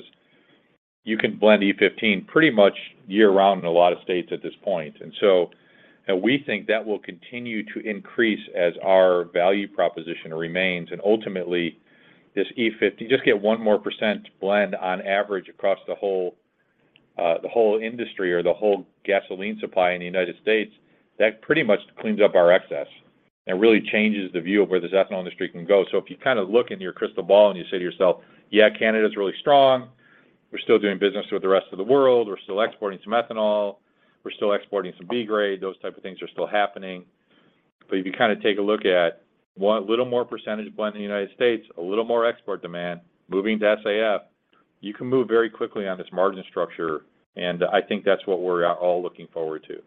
you can blend E15 pretty much year-round in a lot of states at this point. So we think that will continue to increase as our value proposition remains. Ultimately, this E15, just get 1% blend on average across the whole, the whole industry or the whole gasoline supply in the United States, that pretty much cleans up our excess and really changes the view of where this ethanol industry can go. If you kind of look in your crystal ball and you say to yourself, "Yeah, Canada's really strong. We're still doing business with the rest of the world. We're still exporting some ethanol. We're still exporting some B grade." Those type of things are still happening. If you take a look at 1 little more percentage blend in the United States, a little more export demand, moving to SAF, you can move very quickly on this margin structure, and I think that's what we're all looking forward to.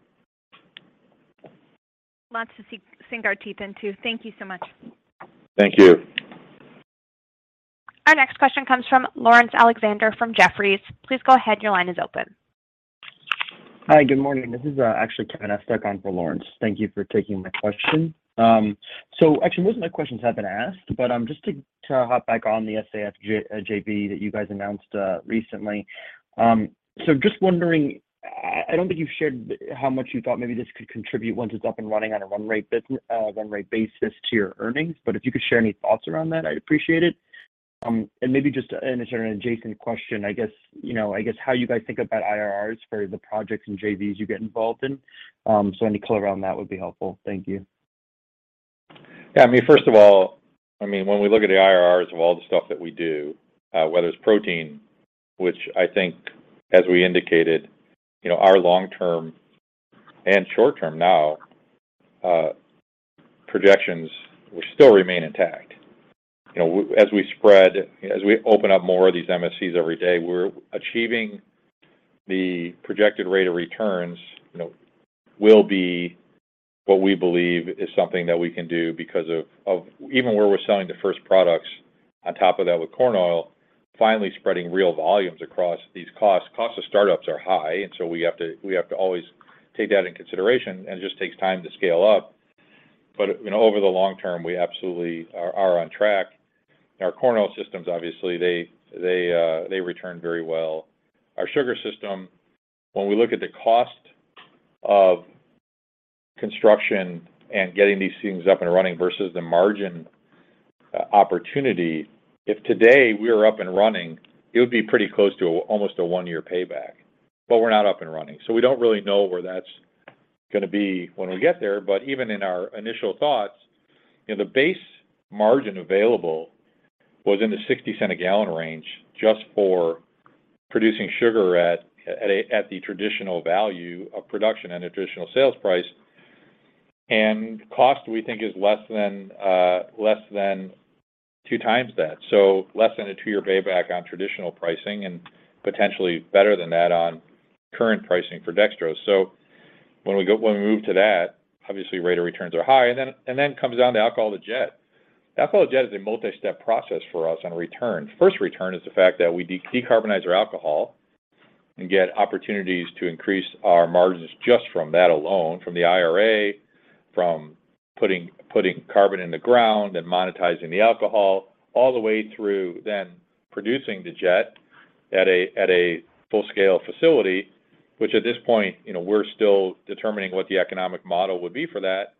Lots to sink our teeth into. Thank you so much. Thank you. Our next question comes from Laurence Alexander from Jefferies. Please go ahead. Your line is open. Hi, good morning. This is actually Kevin Estok for Laurence. Thank you for taking my question. Actually most of my questions have been asked, but just to hop back on the SAF JV that you guys announced recently. Just wondering, I don't think you've shared how much you thought maybe this could contribute once it's up and running on a run rate basis to your earnings, but if you could share any thoughts around that, I'd appreciate it. And maybe just an adjacent question, I guess, you know, I guess how you guys think about IRRs for the projects and JVs you get involved in. Any color around that would be helpful. Thank you. Yeah. I mean, first of all, I mean, when we look at the IRRs of all the stuff that we do, whether it's protein, which I think as we indicated, you know, our long-term and short-term now, projections will still remain intact. You know, as we open up more of these MSCs every day, we're achieving the projected rate of returns, you know, will be what we believe is something that we can do because of even where we're selling the first products on top of that with corn oil, finally spreading real volumes across these costs. Costs of startups are high, so we have to always take that into consideration, and it just takes time to scale up. You know, over the long term, we absolutely are on track. Our corn oil systems, obviously, they return very well. Our sugar system, when we look at the cost of construction and getting these things up and running versus the margin opportunity, if today we are up and running, it would be pretty close to almost a 1-year payback. We're not up and running, so we don't really know where that's gonna be when we get there. Even in our initial thoughts, you know, the base margin available was in the $0.60 a gallon range just for producing sugar at the traditional value of production and a traditional sales price. Cost, we think, is less than less than 2 times that. Less than a 2-year payback on traditional pricing and potentially better than that on current pricing for dextrose. When we move to that, obviously rate of returns are high, and then it comes down to alcohol-to-jet. Alcohol-to-jet is a multi-step process for us on return. First return is the fact that we decarbonize our alcohol and get opportunities to increase our margins just from that alone, from the IRA, from putting carbon in the ground and monetizing the alcohol, all the way through then producing the jet at a full-scale facility, which at this point, you know, we're still determining what the economic model would be for that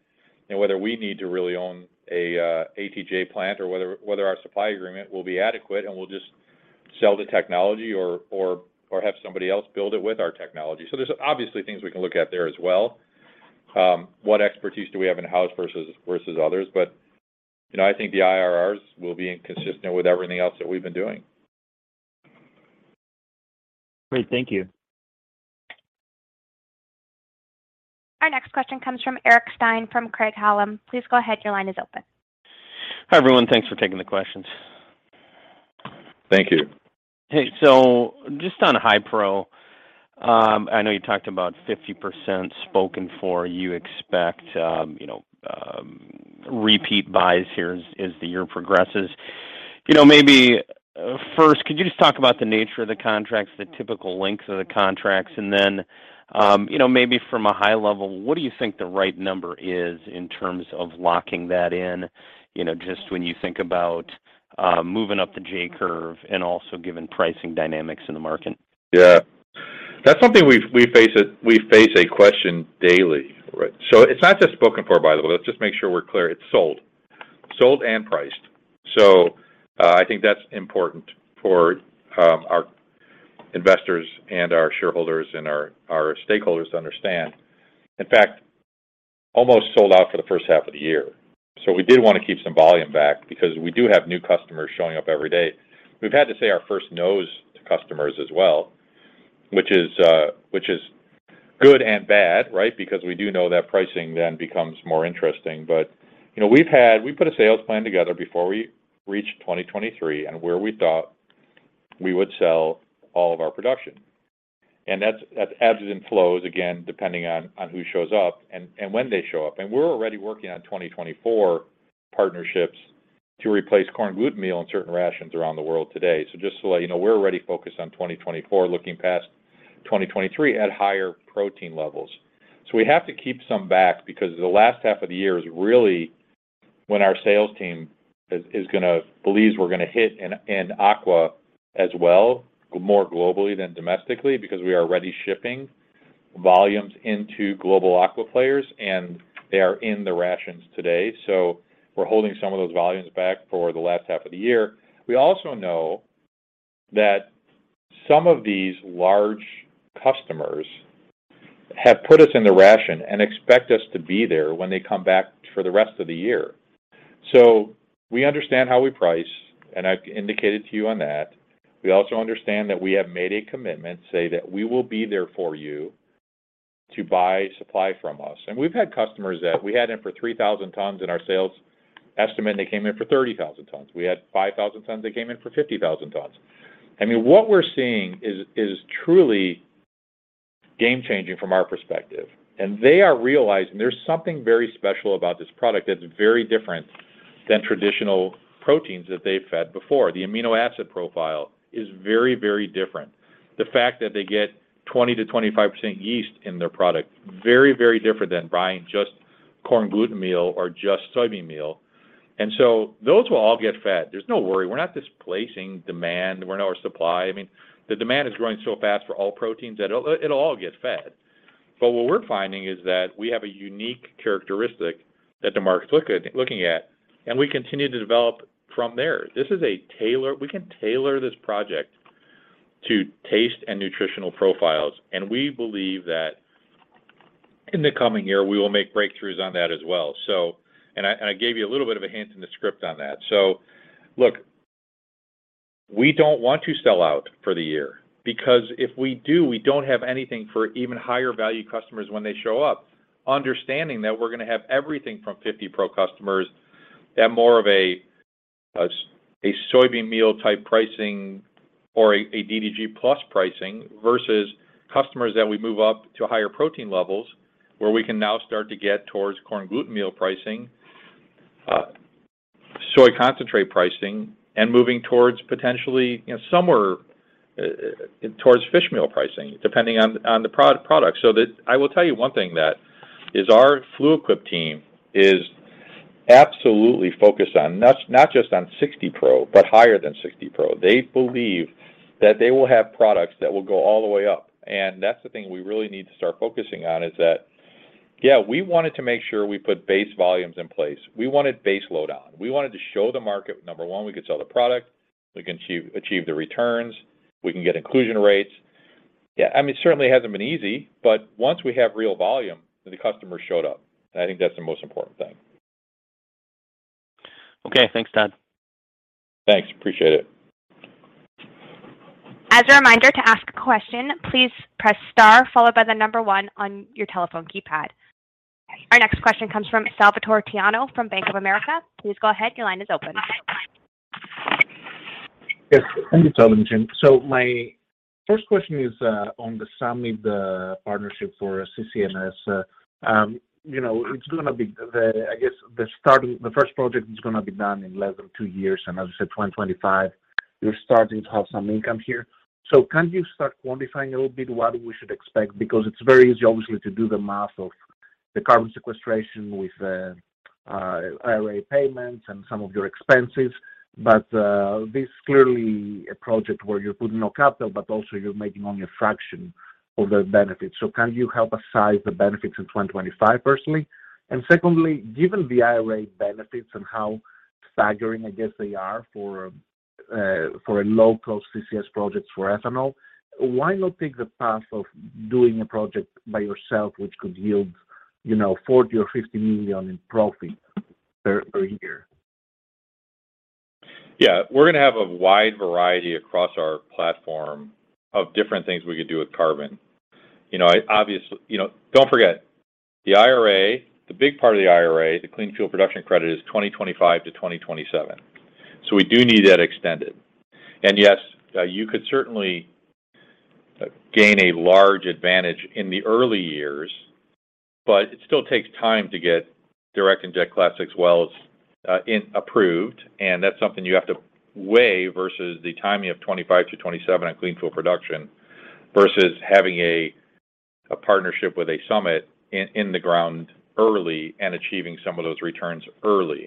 and whether we need to really own an ATJ plant or whether our supply agreement will be adequate and we'll just sell the technology or have somebody else build it with our technology. There's obviously things we can look at there as well. What expertise do we have in-house versus others. You know, I think the IRRs will be inconsistent with everything else that we've been doing. Great. Thank you. Our next question comes from Eric Stine from Craig-Hallum. Please go ahead, your line is open. Hi, everyone. Thanks for taking the questions. Thank you. Just on HiPro, I know you talked about 50% spoken for. You expect, you know, repeat buys here as the year progresses. You know, maybe, first, could you just talk about the nature of the contracts, the typical length of the contracts? Then, you know, maybe from a high level, what do you think the right number is in terms of locking that in, you know, just when you think about moving up the J-curve and also given pricing dynamics in the market? Yeah. That's something we face a question daily, right? It's not just spoken for, by the way. Let's just make sure we're clear. It's sold. Sold and priced. I think that's important for our investors and our shareholders and our stakeholders to understand. In fact, almost sold out for the first half of the year. We did wanna keep some volume back because we do have new customers showing up every day. We've had to say our first nos to customers as well, which is good and bad, right? We do know that pricing then becomes more interesting. You know, we put a sales plan together before we reached 2023 and where we thought we would sell all of our production. That's, that's ebbs and flows, again, depending on who shows up and when they show up. We're already working on 2024 partnerships to replace corn gluten meal in certain rations around the world today. Just to let you know, we're already focused on 2024, looking past 2023 at higher protein levels. We have to keep some back because the last half of the year is really when our sales team is believes we're gonna hit in aqua as well, more globally than domestically, because we are already shipping volumes into global aqua players, and they are in the rations today. We're holding some of those volumes back for the last half of the year. We also know that some of these large customers have put us in the ration and expect us to be there when they come back for the rest of the year. We understand how we price, and I've indicated to you on that. We also understand that we have made a commitment, say that we will be there for you to buy supply from us. We've had customers that we had in for 3,000 tons in our sales estimate, and they came in for 30,000 tons. We had 5,000 tons, they came in for 50,000 tons. I mean, what we're seeing is truly game-changing from our perspective. They are realizing there's something very special about this product that's very different than traditional proteins that they fed before. The amino acid profile is very, very different. The fact that they get 20%-25% yeast in their product, very, very different than buying just corn gluten meal or just soybean meal. Those will all get fed. There's no worry. We're not displacing demand. We're not our supply. I mean, the demand is growing so fast for all proteins that it'll all get fed. What we're finding is that we have a unique characteristic that the market's looking at, and we continue to develop from there. We can tailor this project to taste and nutritional profiles, and we believe that in the coming year, we will make breakthroughs on that as well, so... I gave you a little bit of a hint in the script on that. look, we don't want to sell out for the year because if we do, we don't have anything for even higher value customers when they show up, understanding that we're going to have everything from 50 Pro customers at more of a soybean meal type pricing or a DDG plus pricing versus customers that we move up to higher protein levels, where we can now start to get towards corn gluten meal pricing, soy concentrate pricing, and moving towards potentially, you know, somewhere towards fish meal pricing, depending on the product. I will tell you one thing that is our Fluid Quip team is absolutely focused on, not just on 60 Pro, but higher than 60 Pro. They believe that they will have products that will go all the way up. That's the thing we really need to start focusing on, is that, yeah, we wanted to make sure we put base volumes in place. We wanted base load on. We wanted to show the market, number 1, we could sell the product, we can achieve the returns, we can get inclusion rates. Yeah, I mean, certainly hasn't been easy, but once we have real volume, the customer showed up. I think that's the most important thing. Okay. Thanks, Todd. Thanks. Appreciate it. As a reminder to ask a question, please press star followed by the number one on your telephone keypad. Our next question comes from Salvator Tiano from Bank of America. Please go ahead, your line is open. Yes. Thank you for the time, Jim. My first question is, on the Summit, the partnership for CCS. You know, it's gonna be the first project is gonna be done in less than 2 years. As you said, 2025, you're starting to have some income here. Can you start quantifying a little bit what we should expect? Because it's very easy obviously to do the math of the carbon sequestration with the IRA payments and some of your expenses. This clearly a project where you put no capital, but also you're making only a fraction of the benefits. Can you help us size the benefits in 2025, personally? Secondly, given the IRA benefits and how staggering I guess they are for a low-cost CCS projects for ethanol, why not take the path of doing a project by yourself which could yield, you know, $40 million or $50 million in profit per year? Yeah. We're gonna have a wide variety across our platform of different things we could do with carbon. You know, don't forget, the IRA, the big part of the IRA, the Clean Fuel Production Credit is 2025 to 2027. We do need that extended. Yes, you could certainly gain a large advantage in the early years, but it still takes time to get direct inject Class VI wells approved. That's something you have to weigh versus the timing of 2025-2027 on Clean Fuel Production versus having a partnership with a Summit in the ground early and achieving some of those returns early.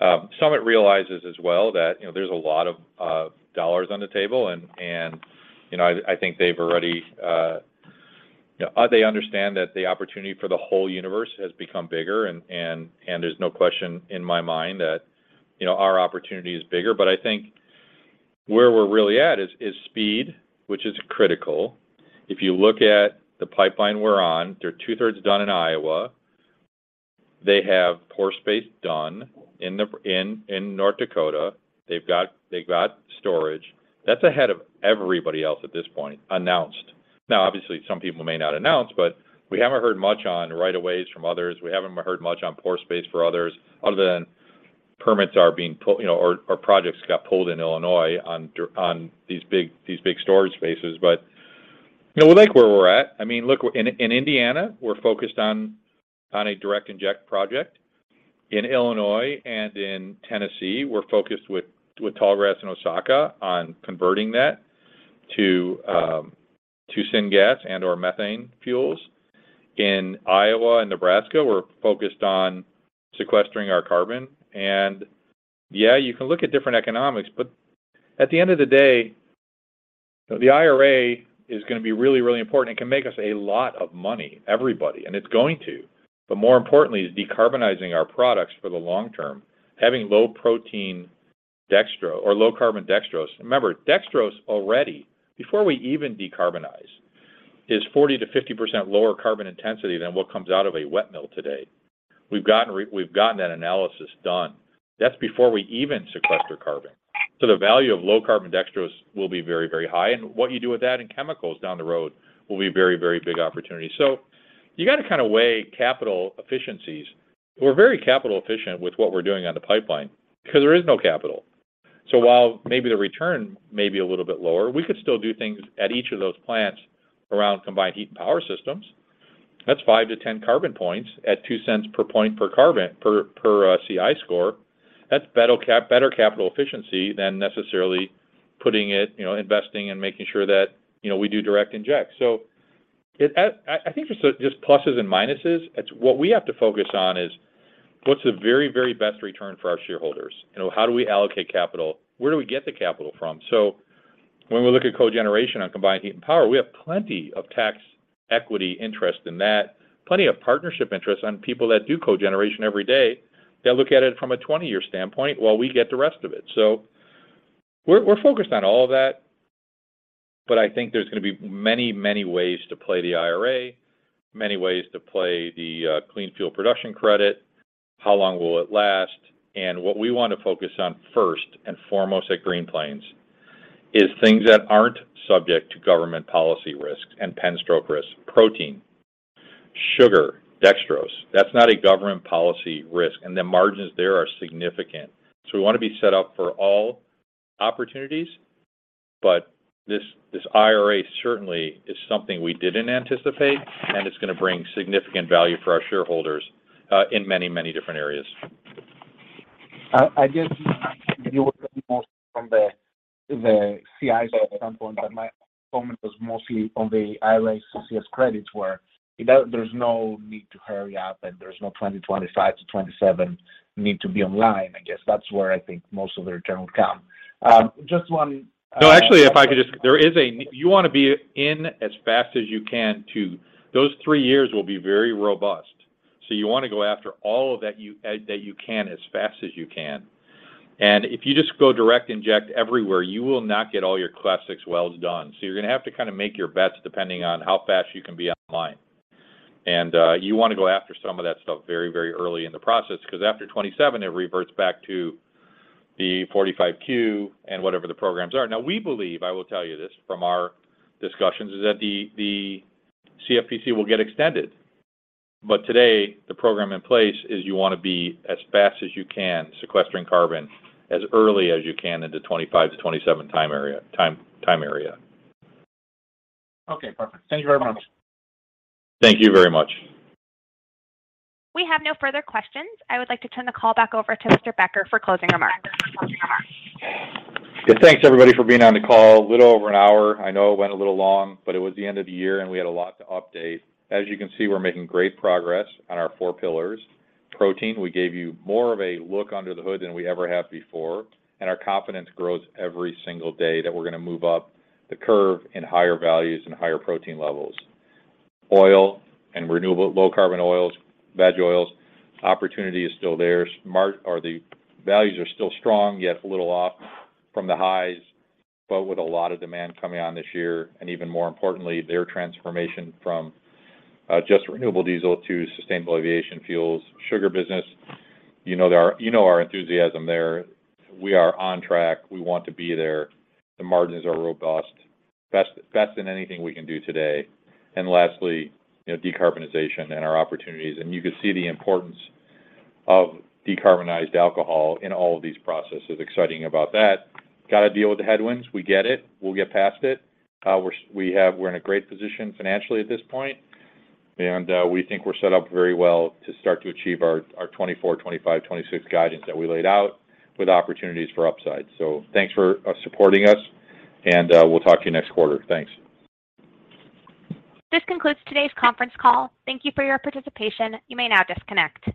Summit realizes as well that, you know, there's a lot of dollars on the table. You know, I think they've already You know, they understand that the opportunity for the whole universe has become bigger and there's no question in my mind that, you know, our opportunity is bigger. I think where we're really at is speed, which is critical. If you look at the pipeline we're on, they're two-thirds done in Iowa. They have pore space done in North Dakota. They've got storage. That's ahead of everybody else at this point, announced. Obviously, some people may not announce, but we haven't heard much on right of ways from others. We haven't heard much on pore space for others other than permits are being pulled, you know, or projects got pulled in Illinois on these big storage spaces. You know, we like where we're at. I mean, look, In Indiana, we're focused on a direct inject project. In Illinois and in Tennessee, we're focused with Tallgrass and Osaka on converting that to syngas and/or methane fuels. In Iowa and Nebraska, we're focused on sequestering our carbon. Yeah, you can look at different economics, but at the end of the day, the IRA is gonna be really, really important. It can make us a lot of money, everybody, and it's going to. More importantly, is decarbonizing our products for the long term, having low protein dextrose or low carbon dextrose. Remember, dextrose already, before we even decarbonize, is 40%-50% lower carbon intensity than what comes out of a wet mill today. We've gotten that analysis done. That's before we even sequester carbon. The value of low carbon dextrose will be very high. What you do with that in chemicals down the road will be a very big opportunity. You got to kind of weigh capital efficiencies. We're very capital efficient with what we're doing on the pipeline because there is no capital. While maybe the return may be a little bit lower, we could still do things at each of those plants around combined heat and power systems. That's 5-10 carbon points at $0.02 per point per CI score. That's better capital efficiency than necessarily putting it, you know, investing and making sure that, you know, we do direct inject. I think there's just pluses and minuses. It's what we have to focus on is what's the very, very best return for our shareholders. You know, how do we allocate capital? Where do we get the capital from? When we look at cogeneration on combined heat and power, we have plenty of tax equity interest in that, plenty of partnership interest on people that do cogeneration every day. They look at it from a 20-year standpoint while we get the rest of it. We're focused on all of that, but I think there's going to be many, many ways to play the IRA, many ways to play the Clean Fuel Production Credit. How long will it last? What we want to focus on first and foremost at Green Plains is things that aren't subject to government policy risks and pen stroke risks. Protein, sugar, dextrose, that's not a government policy risk, and the margins there are significant. We want to be set up for all opportunities. This IRA certainly is something we didn't anticipate, and it's going to bring significant value for our shareholders, in many, many different areas. I guess you were mostly from the CI side at some point. My comment was mostly on the IRA CCS credits where, you know, there's no need to hurry up. There's no 2025 to 2027 need to be online. I guess that's where I think most of the return will come. No, actually, if I could just. You want to be in as fast as you can. Those three years will be very robust. You want to go after all of that you can as fast as you can. If you just go direct inject everywhere, you will not get all your Class VI wells done. You're going to have to kind of make your bets depending on how fast you can be online. You want to go after some of that stuff very, very early in the process because after 2027, it reverts back to the 45Q and whatever the programs are. We believe, I will tell you this from our discussions, is that the CFPC will get extended. Today, the program in place is you want to be as fast as you can sequestering carbon as early as you can into 2025-2027 time area. Okay. Perfect. Thank you very much. Thank you very much. We have no further questions. I would like to turn the call back over to Mr. Becker for closing remarks. Yeah. Thanks, everybody, for being on the call. A little over an hour. I know it went a little long, but it was the end of the year. We had a lot to update. As you can see, we're making great progress on our four pillars. Protein, we gave you more of a look under the hood than we ever have before. Our confidence grows every single day that we're going to move up the curve in higher values and higher protein levels. Oil and renewable low carbon oils, veg oils, opportunity is still there. The values are still strong, yet a little off from the highs, but with a lot of demand coming on this year. Even more importantly, their transformation from just renewable diesel to sustainable aviation fuels. Sugar business, you know our enthusiasm there. We are on track. We want to be there. The margins are robust. Best than anything we can do today. Lastly, you know, decarbonization and our opportunities. You could see the importance of decarbonized alcohol in all of these processes. Exciting about that. Got to deal with the headwinds. We get it. We'll get past it. We're in a great position financially at this point. We think we're set up very well to start to achieve our 2024, 2025, 2026 guidance that we laid out with opportunities for upside. Thanks for supporting us. We'll talk to you next quarter. Thanks. This concludes today's conference call. Thank you for your participation. You may now disconnect.